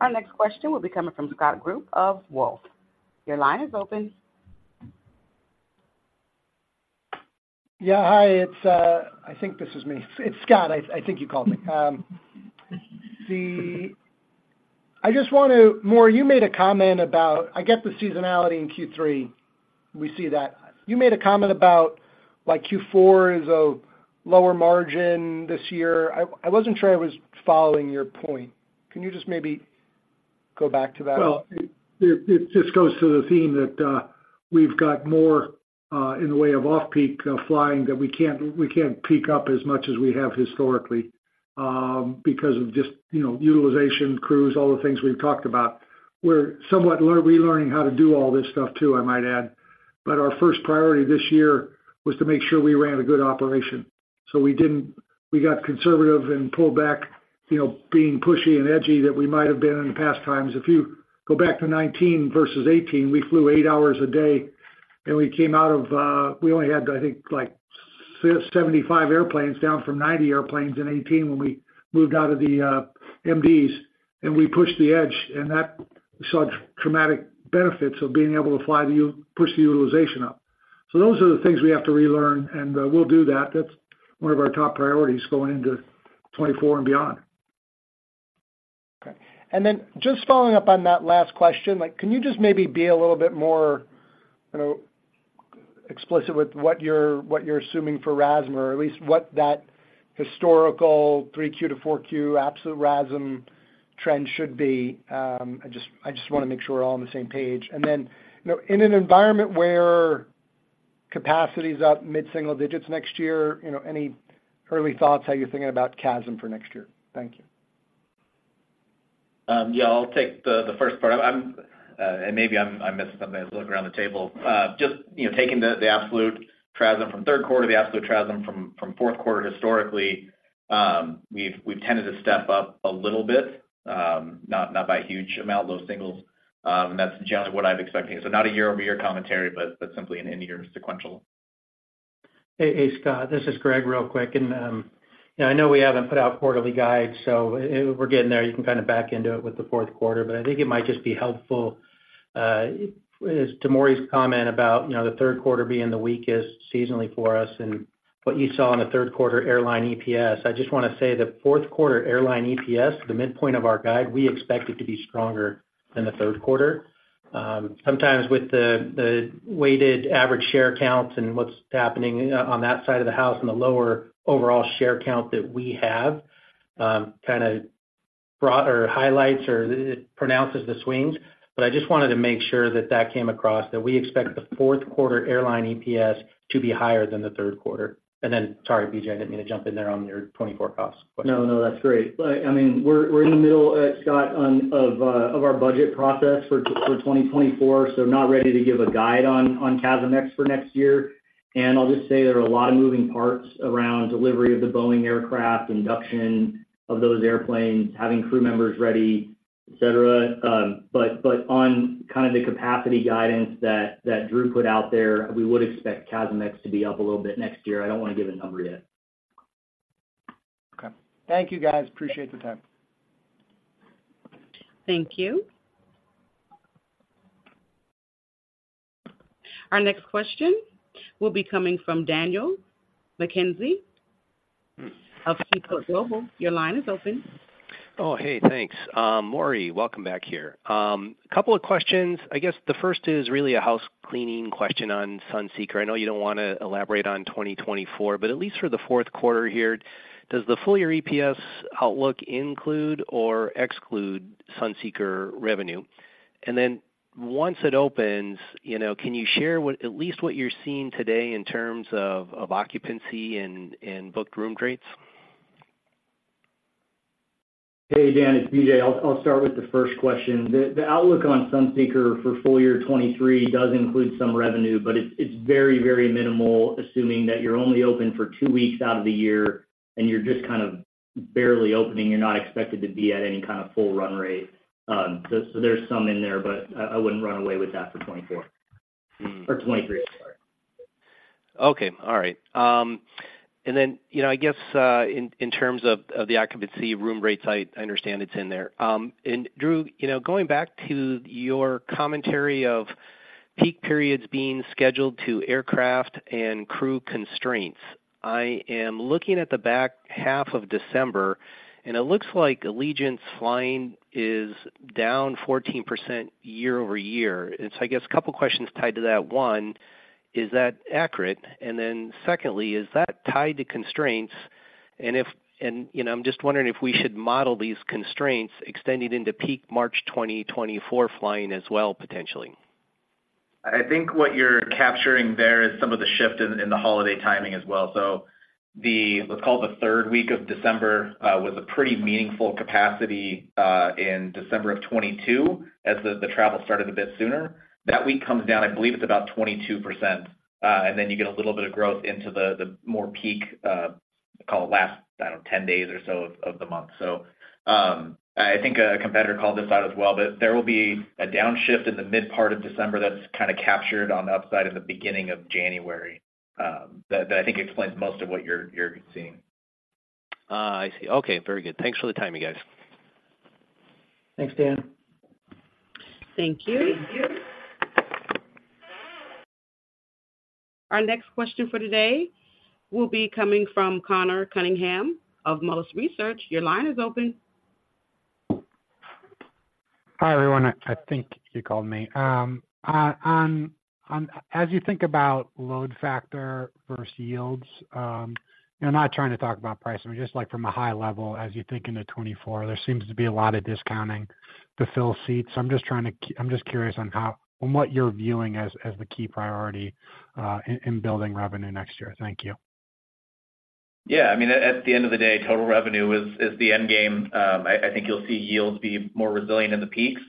Our next question will be coming from Scott Group of Wolfe. Your line is open. Yeah, hi, it's I think this is me. It's Scott. I think you called me. I just want to—Maury, you made a comment about, I get the seasonality in Q3. We see that. You made a comment about, like, Q4 is a lower margin this year. I wasn't sure I was following your point. Can you just maybe go back to that? Well, it just goes to the theme that we've got more in the way of off-peak flying, that we can't peak up as much as we have historically, because of just, you know, utilization, crews, all the things we've talked about. We're somewhat relearning how to do all this stuff, too, I might add, but our first priority this year was to make sure we ran a good operation. So we didn't—we got conservative and pulled back, you know, being pushy and edgy that we might have been in past times. If you go back to 2019 versus 2018, we flew 8 hours a day, and we came out of—we only had, I think, like, 75 airplanes, down from 90 airplanes in 2018 when we moved out of the MDs, and we pushed the edge, and that saw dramatic benefits of being able to fly to push the utilization up. So those are the things we have to relearn, and we'll do that. That's one of our top priorities going into 2024 and beyond. Okay. And then just following up on that last question, like, can you just maybe be a little bit more, you know, explicit with what you're, what you're assuming for RASM or at least what that historical Q3 to Q4 absolute RASM trend should be? I just want to make sure we're all on the same page. And then, you know, in an environment where capacity is up mid-single digits next year, you know, any early thoughts how you're thinking about CASM for next year? Thank you. Yeah, I'll take the first part. And maybe I missed something as I look around the table. Just, you know, taking the absolute RASM from Q3, the absolute RASM from Q4 historically, we've tended to step up a little bit, not by a huge amount, low singles. That's generally what I'm expecting. So not a year-over-year commentary, but simply an end-of-year sequential. Hey, hey, Scott, this is Greg, real quick. And, you know, I know we haven't put out quarterly guides, so we're getting there. You can kind of back into it with the Q4, but I think it might just be helpful, as to Maury's comment about, you know, the Q3 being the weakest seasonally for us and what you saw in the Q3 airline EPS. I just want to say that Q4 airline EPS, the midpoint of our guide, we expect it to be stronger than the Q3. Sometimes with the, the weighted average share count and what's happening on that side of the house and the lower overall share count that we have, kind of broad or highlights or it pronounces the swings. But I just wanted to make sure that that came across, that we expect the Q4 airline EPS to be higher than the Q3. And then, sorry, BJ, I didn't mean to jump in there on your 24 costs question. No, no, that's great. I mean, we're in the middle, Scott, of our budget process for 2024, so not ready to give a guide on CASM-ex for next year. And I'll just say there are a lot of moving parts around delivery of the Boeing aircraft, induction of those airplanes, having crew members ready, et cetera. But on kind of the capacity guidance that Drew put out there, we would expect CASM-ex to be up a little bit next year. I don't want to give a number yet. Okay. Thank you, guys. Appreciate the time. Thank you. Our next question will be coming from Daniel McKenzie of Seaport Global. Your line is open. Oh, hey, thanks. Maury, welcome back here. A couple of questions. I guess the first is really a housecleaning question on Sunseeker. I know you don't want to elaborate on 2024, but at least for the Q4 here, does the full year EPS outlook include or exclude Sunseeker revenue? And then once it opens, you know, can you share what—at least what you're seeing today in terms of occupancy and booked room rates? Hey, Dan, it's BJ. I'll start with the first question. The outlook on Sunseeker for full year 2023 does include some revenue, but it's very, very minimal, assuming that you're only open for two weeks out of the year, and you're just kind of barely opening. You're not expected to be at any kind of full run rate. So, there's some in there, but I wouldn't run away with that for 2024- [crosstalk] Mm. Or 2023, sorry. Okay, all right. And then, you know, I guess, in terms of the occupancy room rates, I understand it's in there. And Drew, you know, going back to your commentary of peak periods being scheduled to aircraft and crew constraints, I am looking at the back half of December, and it looks like Allegiant's flying is down 14% year-over-year. So I guess a couple of questions tied to that. One, is that accurate? And then secondly, is that tied to constraints? And, you know, I'm just wondering if we should model these constraints extending into peak March 2024 flying as well, potentially. I think what you're capturing there is some of the shift in the holiday timing as well. So the, let's call it the third week of December, was a pretty meaningful capacity in December of 2022, as the travel started a bit sooner. That week comes down, I believe it's about 22%, and then you get a little bit of growth into the more peak, call it last, I don't know, 10 days or so of the month. So, I think a competitor called this out as well, but there will be a downshift in the mid part of December that's kind of captured on the upside in the beginning of January, that I think explains most of what you're seeing. Ah, I see. Okay, very good. Thanks for the time, you guys. Thanks, Dan. Thank you. Our next question for today will be coming from Conor Cunningham of Melius Research. Your line is open. Hi, everyone. I think you called me. As you think about load factor versus yields, you're not trying to talk about pricing, but just like from a high level, as you think into 2024, there seems to be a lot of discounting to fill seats. I'm just trying to, I'm just curious on how, on what you're viewing as the key priority in building revenue next year. Thank you. Yeah, I mean, at the end of the day, total revenue is, is the end game. I think you'll see yields be more resilient in the peaks,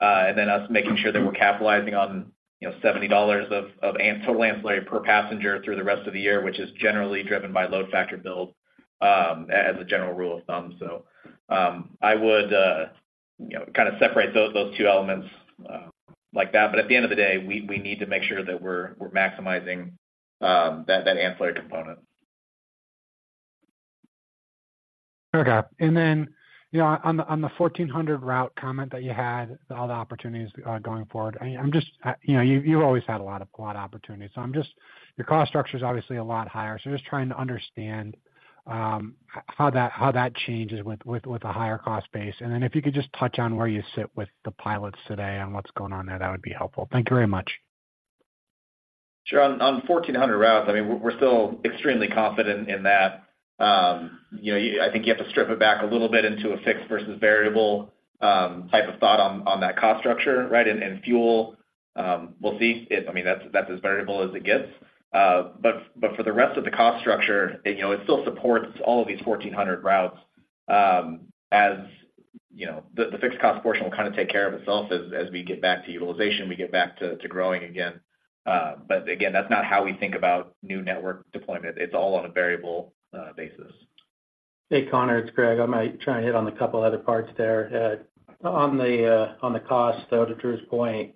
and then us making sure that we're capitalizing on, you know, $70 of total ancillary per passenger through the rest of the year, which is generally driven by load factor build, as a general rule of thumb. So, I would, you know, kind of separate those, those two elements, like that. But at the end of the day, we, we need to make sure that we're, we're maximizing, that, that ancillary component. Okay. And then, you know, on the, on the 1400 route comment that you had, all the opportunities going forward, I'm just, you know, you've, you've always had a lot of, a lot of opportunities. So I'm just... Your cost structure is obviously a lot higher, so just trying to understand how that, how that changes with, with, with a higher cost base. And then if you could just touch on where you sit with the pilots today on what's going on there, that would be helpful. Thank you very much. Sure. On 1,400 routes, I mean, we're still extremely confident in that. You know, I think you have to strip it back a little bit into a fixed versus variable type of thought on that cost structure, right? And fuel, we'll see. I mean, that's as variable as it gets. But for the rest of the cost structure, you know, it still supports all of these 1,400 routes. As you know, the fixed cost portion will kind of take care of itself as we get back to utilization, we get back to growing again. But again, that's not how we think about new network deployment. It's all on a variable basis.... Hey, Conor, it's Greg. I might try and hit on a couple other parts there. On the cost, though, to Drew's point,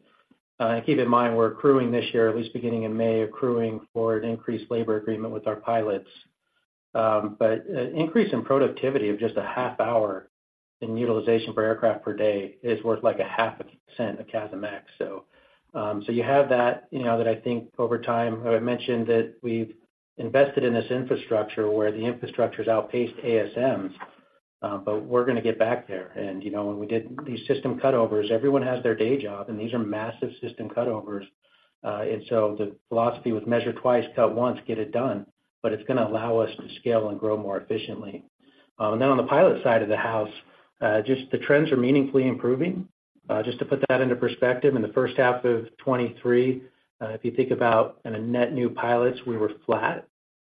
keep in mind, we're accruing this year, at least beginning in May, accruing for an increased labor agreement with our pilots. But an increase in productivity of just a half hour in utilization for aircraft per day is worth, like, 0.5% of CASM-ex. So, so you have that, you know, that I think over time, I mentioned that we've invested in this infrastructure where the infrastructure has outpaced ASMs, but we're gonna get back there. And, you know, when we did these system cutovers, everyone has their day job, and these are massive system cutovers. And so the philosophy was measure twice, cut once, get it done, but it's gonna allow us to scale and grow more efficiently. And then on the pilot side of the house, just the trends are meaningfully improving. Just to put that into perspective, in the first half of 2023, if you think about in a net new pilots, we were flat,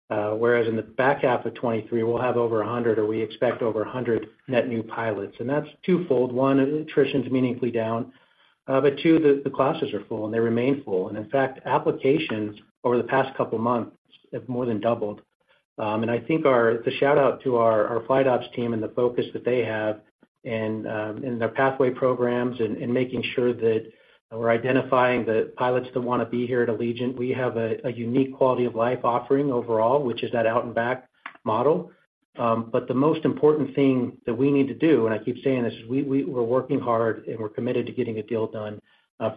whereas in the back half of 2023, we'll have over 100, or we expect over 100 net new pilots. And that's twofold. One, attrition is meaningfully down, but two, the, the classes are full and they remain full. And in fact, applications over the past couple of months have more than doubled. And I think our shout-out to our flight ops team and the focus that they have and in their pathway programs and making sure that we're identifying the pilots that wanna be here at Allegiant. We have a unique quality of life offering overall, which is that out-and-back model. But the most important thing that we need to do, and I keep saying this, is we're working hard, and we're committed to getting a deal done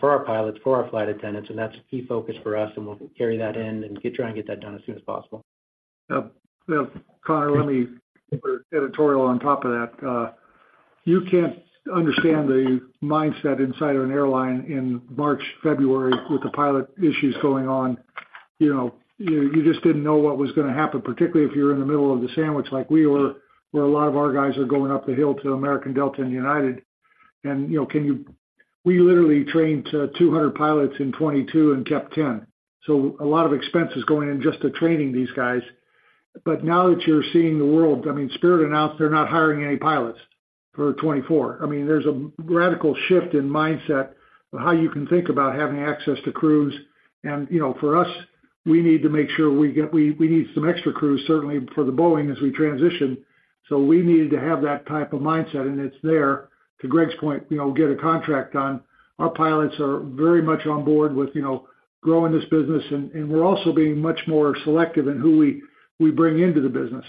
for our pilots, for our flight attendants, and that's a key focus for us, and we'll carry that in and try and get that done as soon as possible. Well, Conor, let me put an editorial on top of that. You can't understand the mindset inside of an airline in March, February, with the pilot issues going on. You know, you just didn't know what was gonna happen, particularly if you were in the middle of the sandwich like we were, where a lot of our guys are going up the hill to American, Delta, and United. And, you know, we literally trained 200 pilots in 2022 and kept 10. So a lot of expenses going in just to training these guys. But now that you're seeing the world, I mean, Spirit announced they're not hiring any pilots for 2024. I mean, there's a radical shift in mindset of how you can think about having access to crews. You know, for us, we need to make sure we get, we need some extra crews, certainly for the Boeing as we transition. So we need to have that type of mindset, and it's there. To Greg's point, you know, get a contract done. Our pilots are very much on board with, you know, growing this business, and we're also being much more selective in who we bring into the business.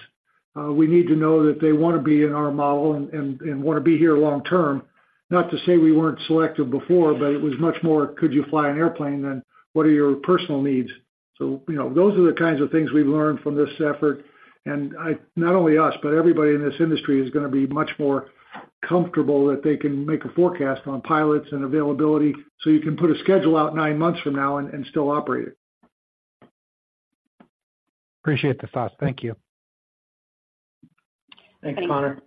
We need to know that they wanna be in our model and wanna be here long term. Not to say we weren't selective before, but it was much more, could you fly an airplane than what are your personal needs? So, you know, those are the kinds of things we've learned from this effort. Not only us, but everybody in this industry is gonna be much more comfortable that they can make a forecast on pilots and availability, so you can put a schedule out nine months from now and still operate it. Appreciate the thoughts. Thank you. Thanks, Conor.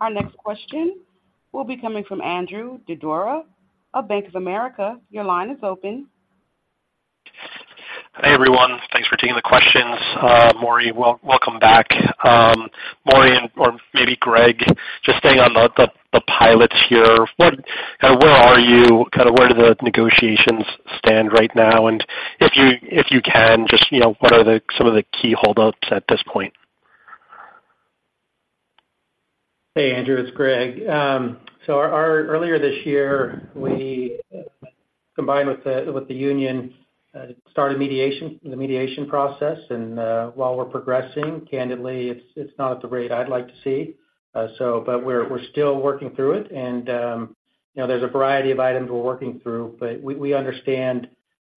Our next question will be coming from Andrew Didora of Bank of America. Your line is open. Hey, everyone. Thanks for taking the questions. Maury, welcome back. Maury and/or maybe Greg, just staying on the pilots here, what—where are you? Kind of, where do the negotiations stand right now? And if you can, just, you know, what are some of the key holdouts at this point? Hey, Andrew, it's Greg. So earlier this year, we combined with the union started mediation, the mediation process. And while we're progressing, candidly, it's not at the rate I'd like to see. So but we're still working through it, and you know, there's a variety of items we're working through. But we understand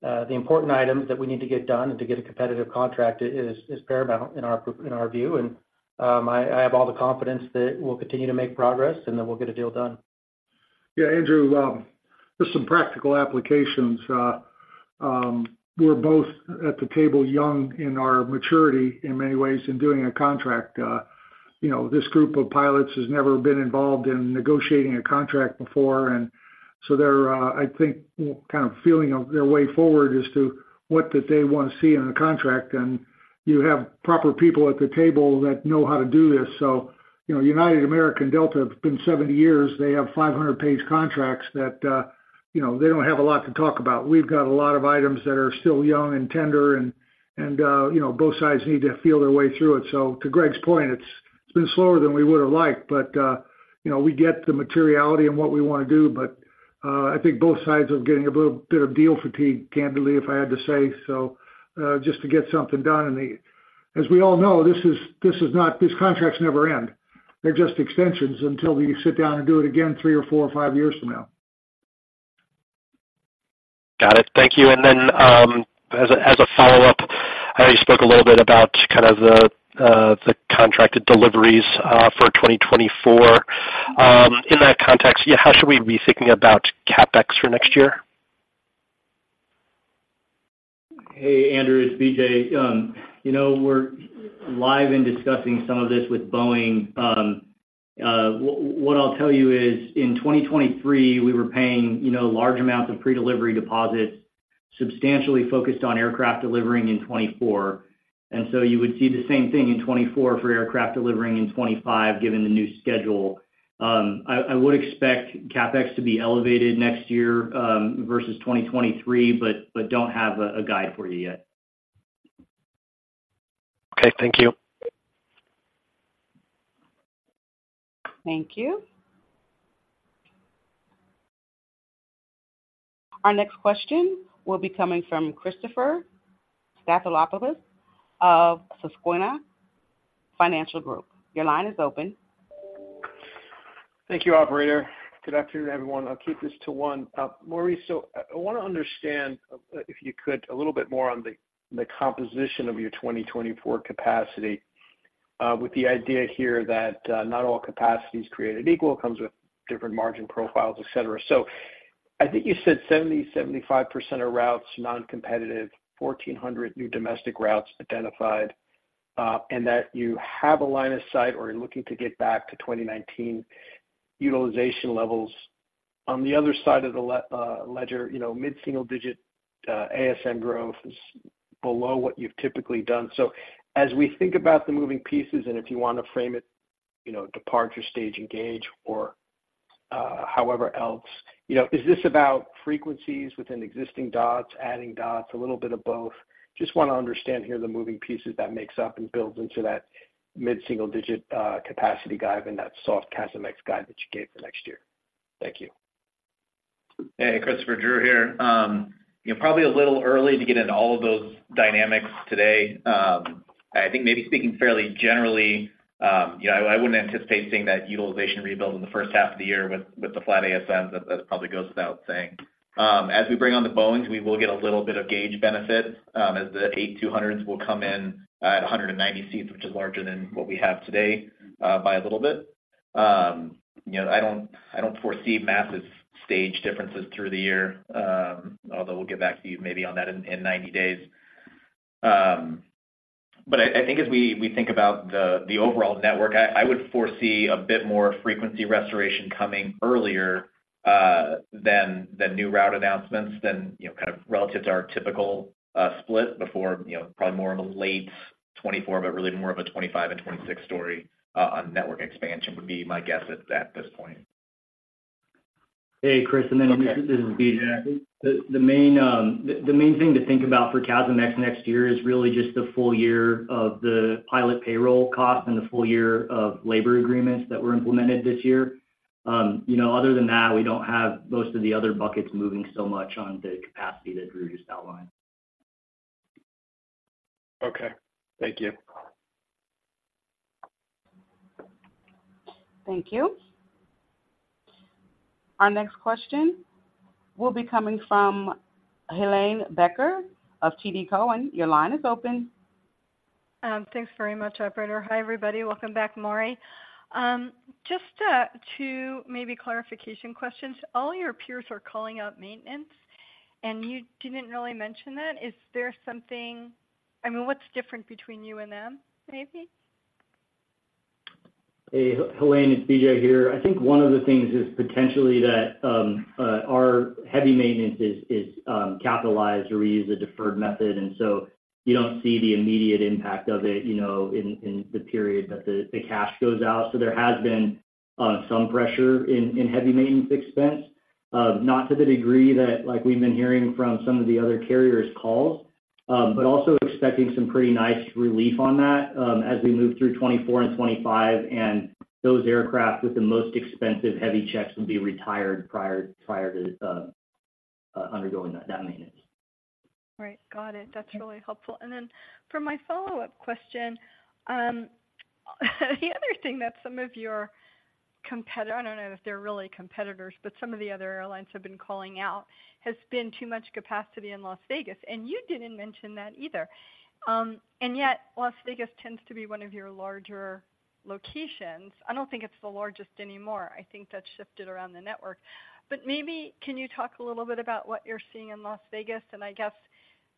the important items that we need to get done and to get a competitive contract is paramount in our view. And I have all the confidence that we'll continue to make progress, and then we'll get a deal done. Yeah, Andrew, just some practical applications. We're both at the table, young in our maturity in many ways in doing a contract. You know, this group of pilots has never been involved in negotiating a contract before, and so they're, I think, kind of feeling of their way forward as to what that they want to see in a contract, and you have proper people at the table that know how to do this. So, you know, United, American, Delta, have been 70 years. They have 500-page contracts that, you know, they don't have a lot to talk about. We've got a lot of items that are still young and tender and, and, you know, both sides need to feel their way through it. So to Greg's point, it's been slower than we would have liked, but you know, we get the materiality and what we wanna do. But I think both sides are getting a little bit of deal fatigue, candidly, if I had to say so, just to get something done. And as we all know, this is not—these contracts never end. They're just extensions until you sit down and do it again three or four or five years from now. Got it. Thank you. And then, as a follow-up, I know you spoke a little bit about the contracted deliveries for 2024. In that context, yeah, how should we be thinking about CapEx for next year? Hey, Andrew, it's BJ. You know, we're involved in discussing some of this with Boeing. What I'll tell you is, in 2023, we were paying, you know, large amounts of predelivery deposits, substantially focused on aircraft delivering in 2024. ... And so you would see the same thing in 2024 for aircraft delivering in 2025, given the new schedule. I would expect CapEx to be elevated next year, versus 2023, but don't have a guide for you yet. Okay, thank you. Thank you. Our next question will be coming from Christopher Stathoulopoulos of Susquehanna Financial Group. Your line is open. Thank you, operator. Good afternoon, everyone. I'll keep this to one. Maurice, so I wanna understand, if you could, a little bit more on the composition of your 2024 capacity, with the idea here that not all capacity is created equal, comes with different margin profiles, et cetera. So I think you said 70%-75% of routes, non-competitive, 1,400 new domestic routes identified, and that you have a line of sight or are looking to get back to 2019 utilization levels. On the other side of the ledger, you know, mid-single-digit ASM growth is below what you've typically done. So as we think about the moving pieces, and if you want to frame it, you know, departure stage and gauge or, however else, you know, is this about frequencies within existing dots, adding dots, a little bit of both? Just wanna understand here the moving pieces that makes up and builds into that mid-single digit capacity guide and that soft CASM x guide that you gave for next year. Thank you. Hey, Christopher, Drew here. You know, probably a little early to get into all of those dynamics today. I think maybe speaking fairly generally, you know, I wouldn't anticipate seeing that utilization rebuild in the first half of the year with, with the flat ASMs. That, that probably goes without saying. As we bring on the Boeings, we will get a little bit of gauge benefit, as the 8-200s will come in, at 190 seats, which is larger than what we have today, by a little bit. You know, I don't, I don't foresee massive stage differences through the year, although we'll get back to you maybe on that in, in 90 days. But I think as we think about the overall network, I would foresee a bit more frequency restoration coming earlier than new route announcements than you know kind of relative to our typical split before you know probably more of a late 2024, but really more of a 2025 and 2026 story on network expansion would be my guess at this point. Hey, Chris, and then this is BJ. The main thing to think about for CASM next year is really just the full year of the pilot payroll cost and the full year of labor agreements that were implemented this year. You know, other than that, we don't have most of the other buckets moving so much on the capacity that Drew just outlined. Okay, thank you. Thank you. Our next question will be coming from Helane Becker of TD Cowen. Your line is open. Thanks very much, operator. Hi, everybody. Welcome back, Maury. Just two maybe clarification questions. All your peers are calling out maintenance, and you didn't really mention that. Is there something... I mean, what's different between you and them, maybe? Hey, Helane, it's BJ here. I think one of the things is potentially that our heavy maintenance is capitalized, or we use a deferred method, and so you don't see the immediate impact of it, you know, in the period that the cash goes out. So there has been some pressure in heavy maintenance expense, not to the degree that, like, we've been hearing from some of the other carriers calls, but also expecting some pretty nice relief on that, as we move through 2024 and 2025, and those aircraft with the most expensive heavy checks will be retired prior to undergoing that maintenance. Right. Got it. That's really helpful. And then for my follow-up question, the other thing that some of your competitors, I don't know if they're really competitors, but some of the other airlines have been calling out, has been too much capacity in Las Vegas, and you didn't mention that either. And yet Las Vegas tends to be one of your larger locations. I don't think it's the largest anymore. I think that's shifted around the network. But maybe can you talk a little bit about what you're seeing in Las Vegas? And I guess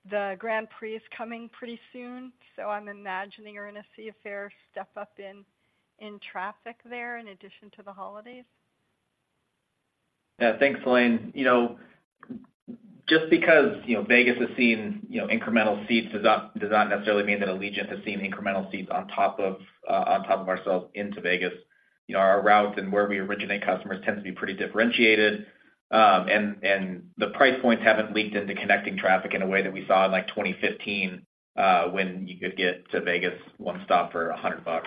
the Grand Prix is coming pretty soon, so I'm imagining you're going to see a fair step up in traffic there in addition to the holidays. Yeah. Thanks, Helane. You know, just because, you know, Vegas has seen, you know, incremental seats, does not, does not necessarily mean that Allegiant has seen incremental seats on top of ourselves into Vegas. You know, our routes and where we originate, customers tend to be pretty differentiated. The price points haven't leaked into connecting traffic in a way that we saw in, like, 2015, when you could get to Vegas one stop for $100.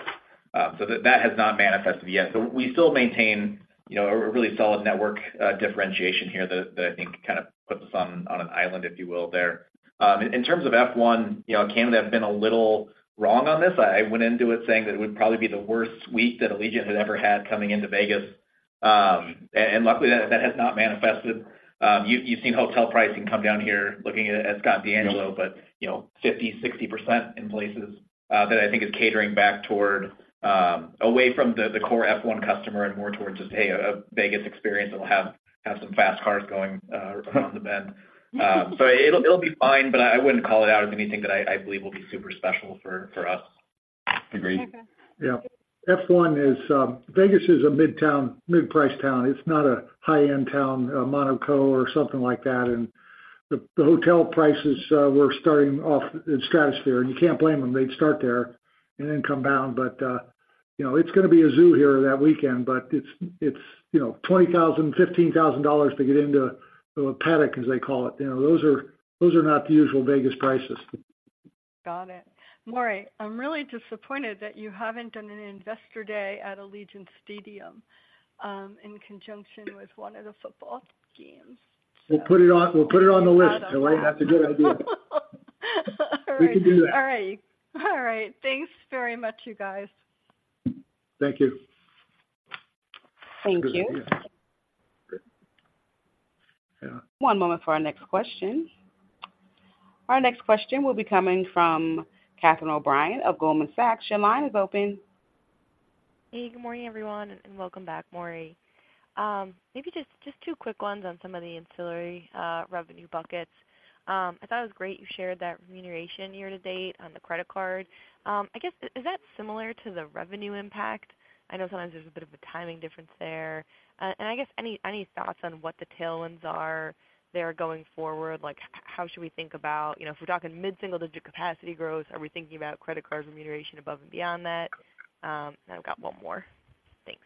So that has not manifested yet, but we still maintain, you know, a really solid network differentiation here that I think kind of puts us on an island, if you will, there. In terms of F1, you know, I can have been a little wrong on this. I went into it saying that it would probably be the worst week that Allegiant had ever had coming into Vegas. And luckily, that has not manifested. You've seen hotel pricing come down here looking at Scott DeAngelo, but you know, 50, 60% in places that I think is catering back toward away from the core F1 customer and more towards just, hey, a Vegas experience, and we'll have some fast cars going around the bend. So it'll be fine, but I wouldn't call it out as anything that I believe will be super special for us. Agreed. Yeah. F1 is, Vegas is a midtown, mid-price town. It's not a high-end town, Monaco or something like that, and the hotel prices were starting off in stratosphere, and you can't blame them. They'd start there and then come down. But, you know, it's going to be a zoo here that weekend, but it's, you know, $20,000, $15,000 to get into the paddock, as they call it. You know, those are not the usual Vegas prices. Got it. Maury, I'm really disappointed that you haven't done an Investor Day at Allegiant Stadium, in conjunction with one of the football games. We'll put it on the list, Helane. That's a good idea. All right. We can do that. All right. All right. Thanks very much, you guys. Thank you. Thank you. Good. Yeah. One moment for our next question. Our next question will be coming from Catie O'Brien of Goldman Sachs. Your line is open. Hey, good morning, everyone, and welcome back, Maury. Maybe just two quick ones on some of the ancillary revenue buckets. I thought it was great you shared that remuneration year to date on the credit card. I guess, is that similar to the revenue impact? I know sometimes there's a bit of a timing difference there. And I guess any thoughts on what the tailwinds are there going forward? Like, how should we think about, you know, if we're talking mid-single-digit capacity growth, are we thinking about credit card remuneration above and beyond that? And I've got one more. Thanks.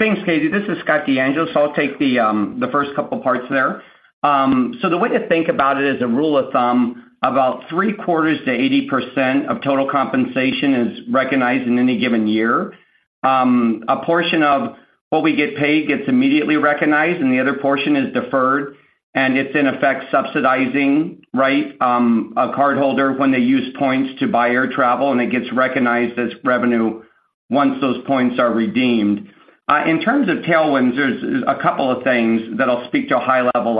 Thanks, Catie. This is Scott DeAngelo. So I'll take the first couple of parts there. So the way to think about it as a rule of thumb, about 75%-80% of total compensation is recognized in any given year. A portion of what we get paid gets immediately recognized, and the other portion is deferred, and it's in effect subsidizing, right, a cardholder when they use points to buy air travel, and it gets recognized as revenue once those points are redeemed. In terms of tailwinds, there's a couple of things that I'll speak to at a high level.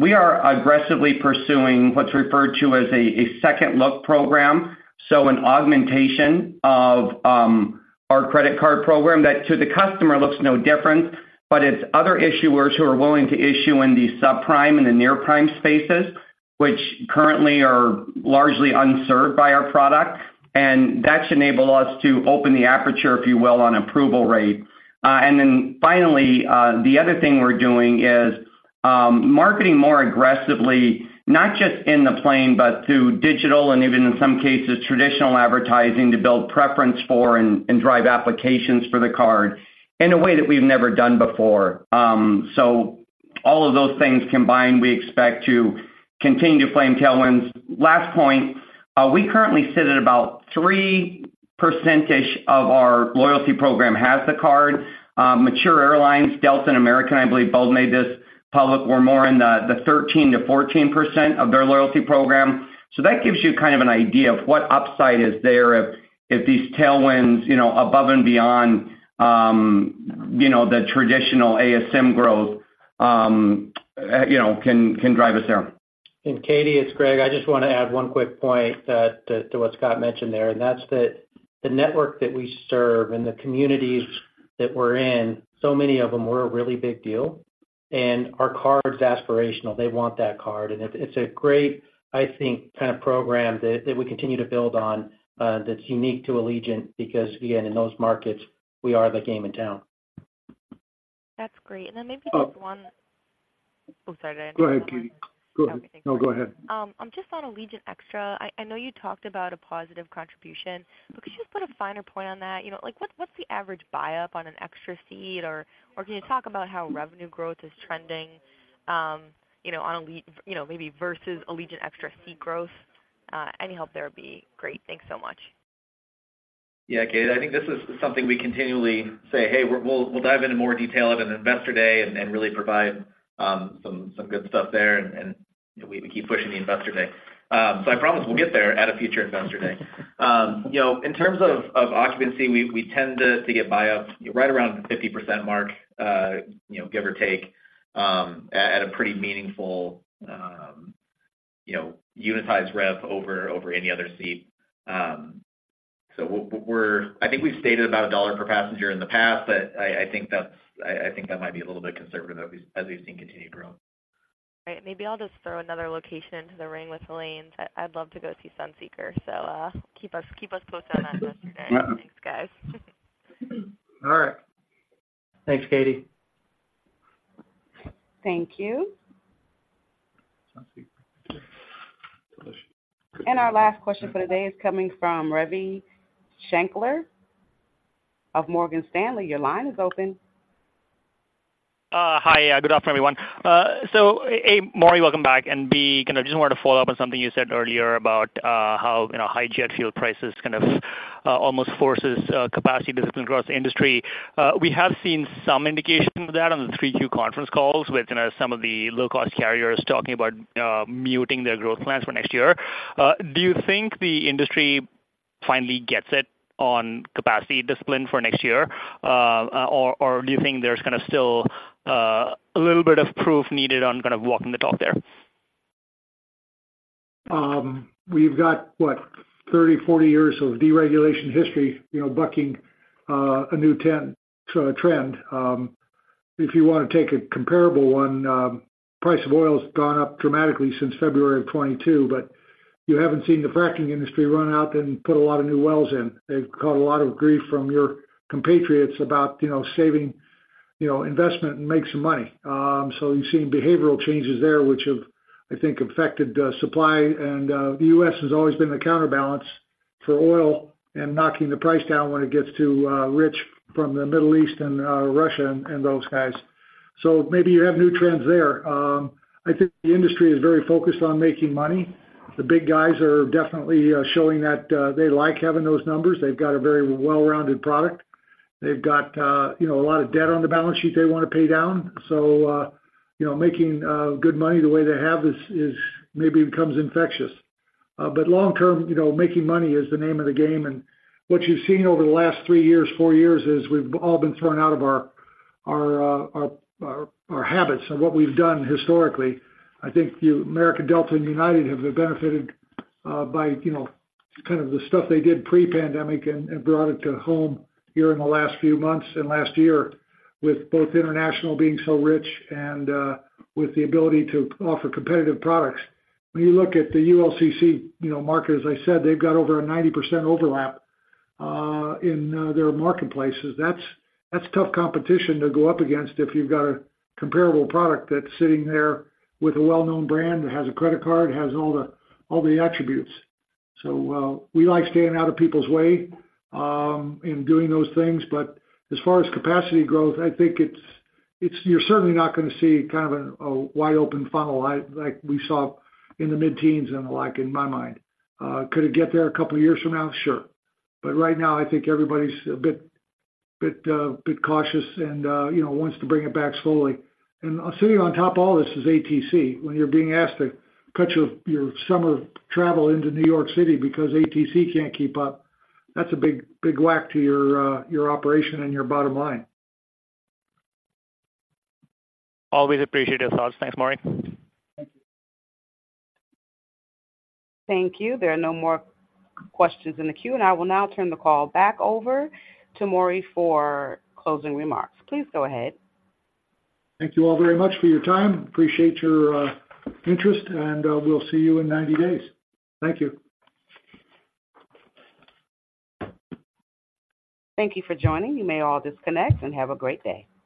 We are aggressively pursuing what's referred to as a second look program, so an augmentation of our credit card program that to the customer looks no different, but it's other issuers who are willing to issue in the subprime and the near-prime spaces, which currently are largely unserved by our product. And that should enable us to open the aperture, if you will, on approval rate. And then finally, the other thing we're doing is marketing more aggressively, not just in the plane, but through digital and even in some cases, traditional advertising, to build preference for and drive applications for the card in a way that we've never done before. So all of those things combined, we expect to continue to claim tailwinds. Last point, we currently sit at about 3% of our loyalty program has the card. Mature airlines, Delta and American, I believe, both made this public, were more in the 13%-14% of their loyalty program. So that gives you kind of an idea of what upside is there if these tailwinds, you know, above and beyond, you know, the traditional ASM growth, you know, can drive us there. And Catie, it's Greg. I just want to add one quick point to what Scott mentioned there, and that's that the network that we serve and the communities that we're in, so many of them, we're a really big deal, and our card is aspirational. They want that card, and it, it's a great, I think, kind of program that we continue to build on that's unique to Allegiant, because again, in those markets, we are the game in town. That's great. And then maybe just one- [crosstalk] Oh. Oh, sorry. Go ahead, Catie. Go ahead. No, go ahead. Just on Allegiant Extra, I know you talked about a positive contribution, but could you just put a finer point on that? You know, like, what's the average buy-up on an extra seat or can you talk about how revenue growth is trending, you know, on Allegiant, you know, maybe versus Allegiant Extra seat growth? Any help there would be great. Thanks so much. Yeah, Catie, I think this is something we continually say, "Hey, we're, we'll, we'll dive into more detail at an Investor Day and, and really provide, some, some good stuff there," and, and we keep pushing the Investor Day. So I promise we'll get there at a future Investor Day. You know, in terms of, of occupancy, we, we tend to, to get buy-ups right around the 50% mark, you know, give or take, at, at a pretty meaningful, you know, unitized rev over, over any other seat. So we're, we're-- I think we've stated about $1 per passenger in the past, but I, I think that's, I, I think that might be a little bit conservative as we've, as we've seen continued growth. Right. Maybe I'll just throw another location into the ring with Lane. I, I'd love to go see Sunseeker, so, keep us, keep us posted on that, Investor Day. Thanks, guys. All right. Thanks, Catie. Thank you. Our last question for today is coming from Ravi Shanker of Morgan Stanley. Your line is open. Hi. Yeah, good afternoon, everyone. So A, Maury, welcome back, and B, kind of just wanted to follow up on something you said earlier about, how, you know, high jet fuel prices kind of, almost forces, capacity discipline across the industry. We have seen some indication of that on the three Q conference calls with, you know, some of the low-cost carriers talking about, muting their growth plans for next year. Do you think the industry finally gets it on capacity discipline for next year? Or, or do you think there's kind of still, a little bit of proof needed on kind of walking the talk there? We've got, what, 30, 40 years of deregulation history, you know, bucking a new ten-year trend. If you want to take a comparable one, price of oil has gone up dramatically since February of 2022, but you haven't seen the fracking industry run out and put a lot of new wells in. They've caught a lot of grief from your compatriots about, you know, saving, you know, investment and make some money. So you've seen behavioral changes there, which have, I think, affected supply. And the U.S. has always been the counterbalance for oil and knocking the price down when it gets too rich from the Middle East and Russia and those guys. So maybe you have new trends there. I think the industry is very focused on making money. The big guys are definitely showing that they like having those numbers. They've got a very well-rounded product. They've got, you know, a lot of debt on the balance sheet they want to pay down. So, you know, making good money the way they have is maybe becomes infectious. But long term, you know, making money is the name of the game, and what you've seen over the last three years, four years, is we've all been thrown out of our habits and what we've done historically. I think the American Delta and United have benefited, by, you know, kind of the stuff they did pre-pandemic and brought it to home here in the last few months and last year, with both international being so rich and with the ability to offer competitive products. When you look at the ULCC, you know, market, as I said, they've got over a 90% overlap in their marketplaces. That's tough competition to go up against if you've got a comparable product that's sitting there with a well-known brand, that has a credit card, has all the, all the attributes. So, we like staying out of people's way, in doing those things. But as far as capacity growth, I think it's you're certainly not going to see kind of a wide open funnel, like we saw in the mid-teens and the like, in my mind. Could it get there a couple of years from now? Sure. But right now, I think everybody's a bit cautious and, you know, wants to bring it back slowly. And sitting on top of all this is ATC. When you're being asked to cut your, your summer travel into New York City because ATC can't keep up, that's a big, big whack to your, your operation and your bottom line. Always appreciate your thoughts. Thanks, Maury. Thank you. There are no more questions in the queue, and I will now turn the call back over to Maury for closing remarks. Please go ahead. Thank you all very much for your time. Appreciate your interest, and we'll see you in 90 days. Thank you. Thank you for joining. You may all disconnect and have a great day.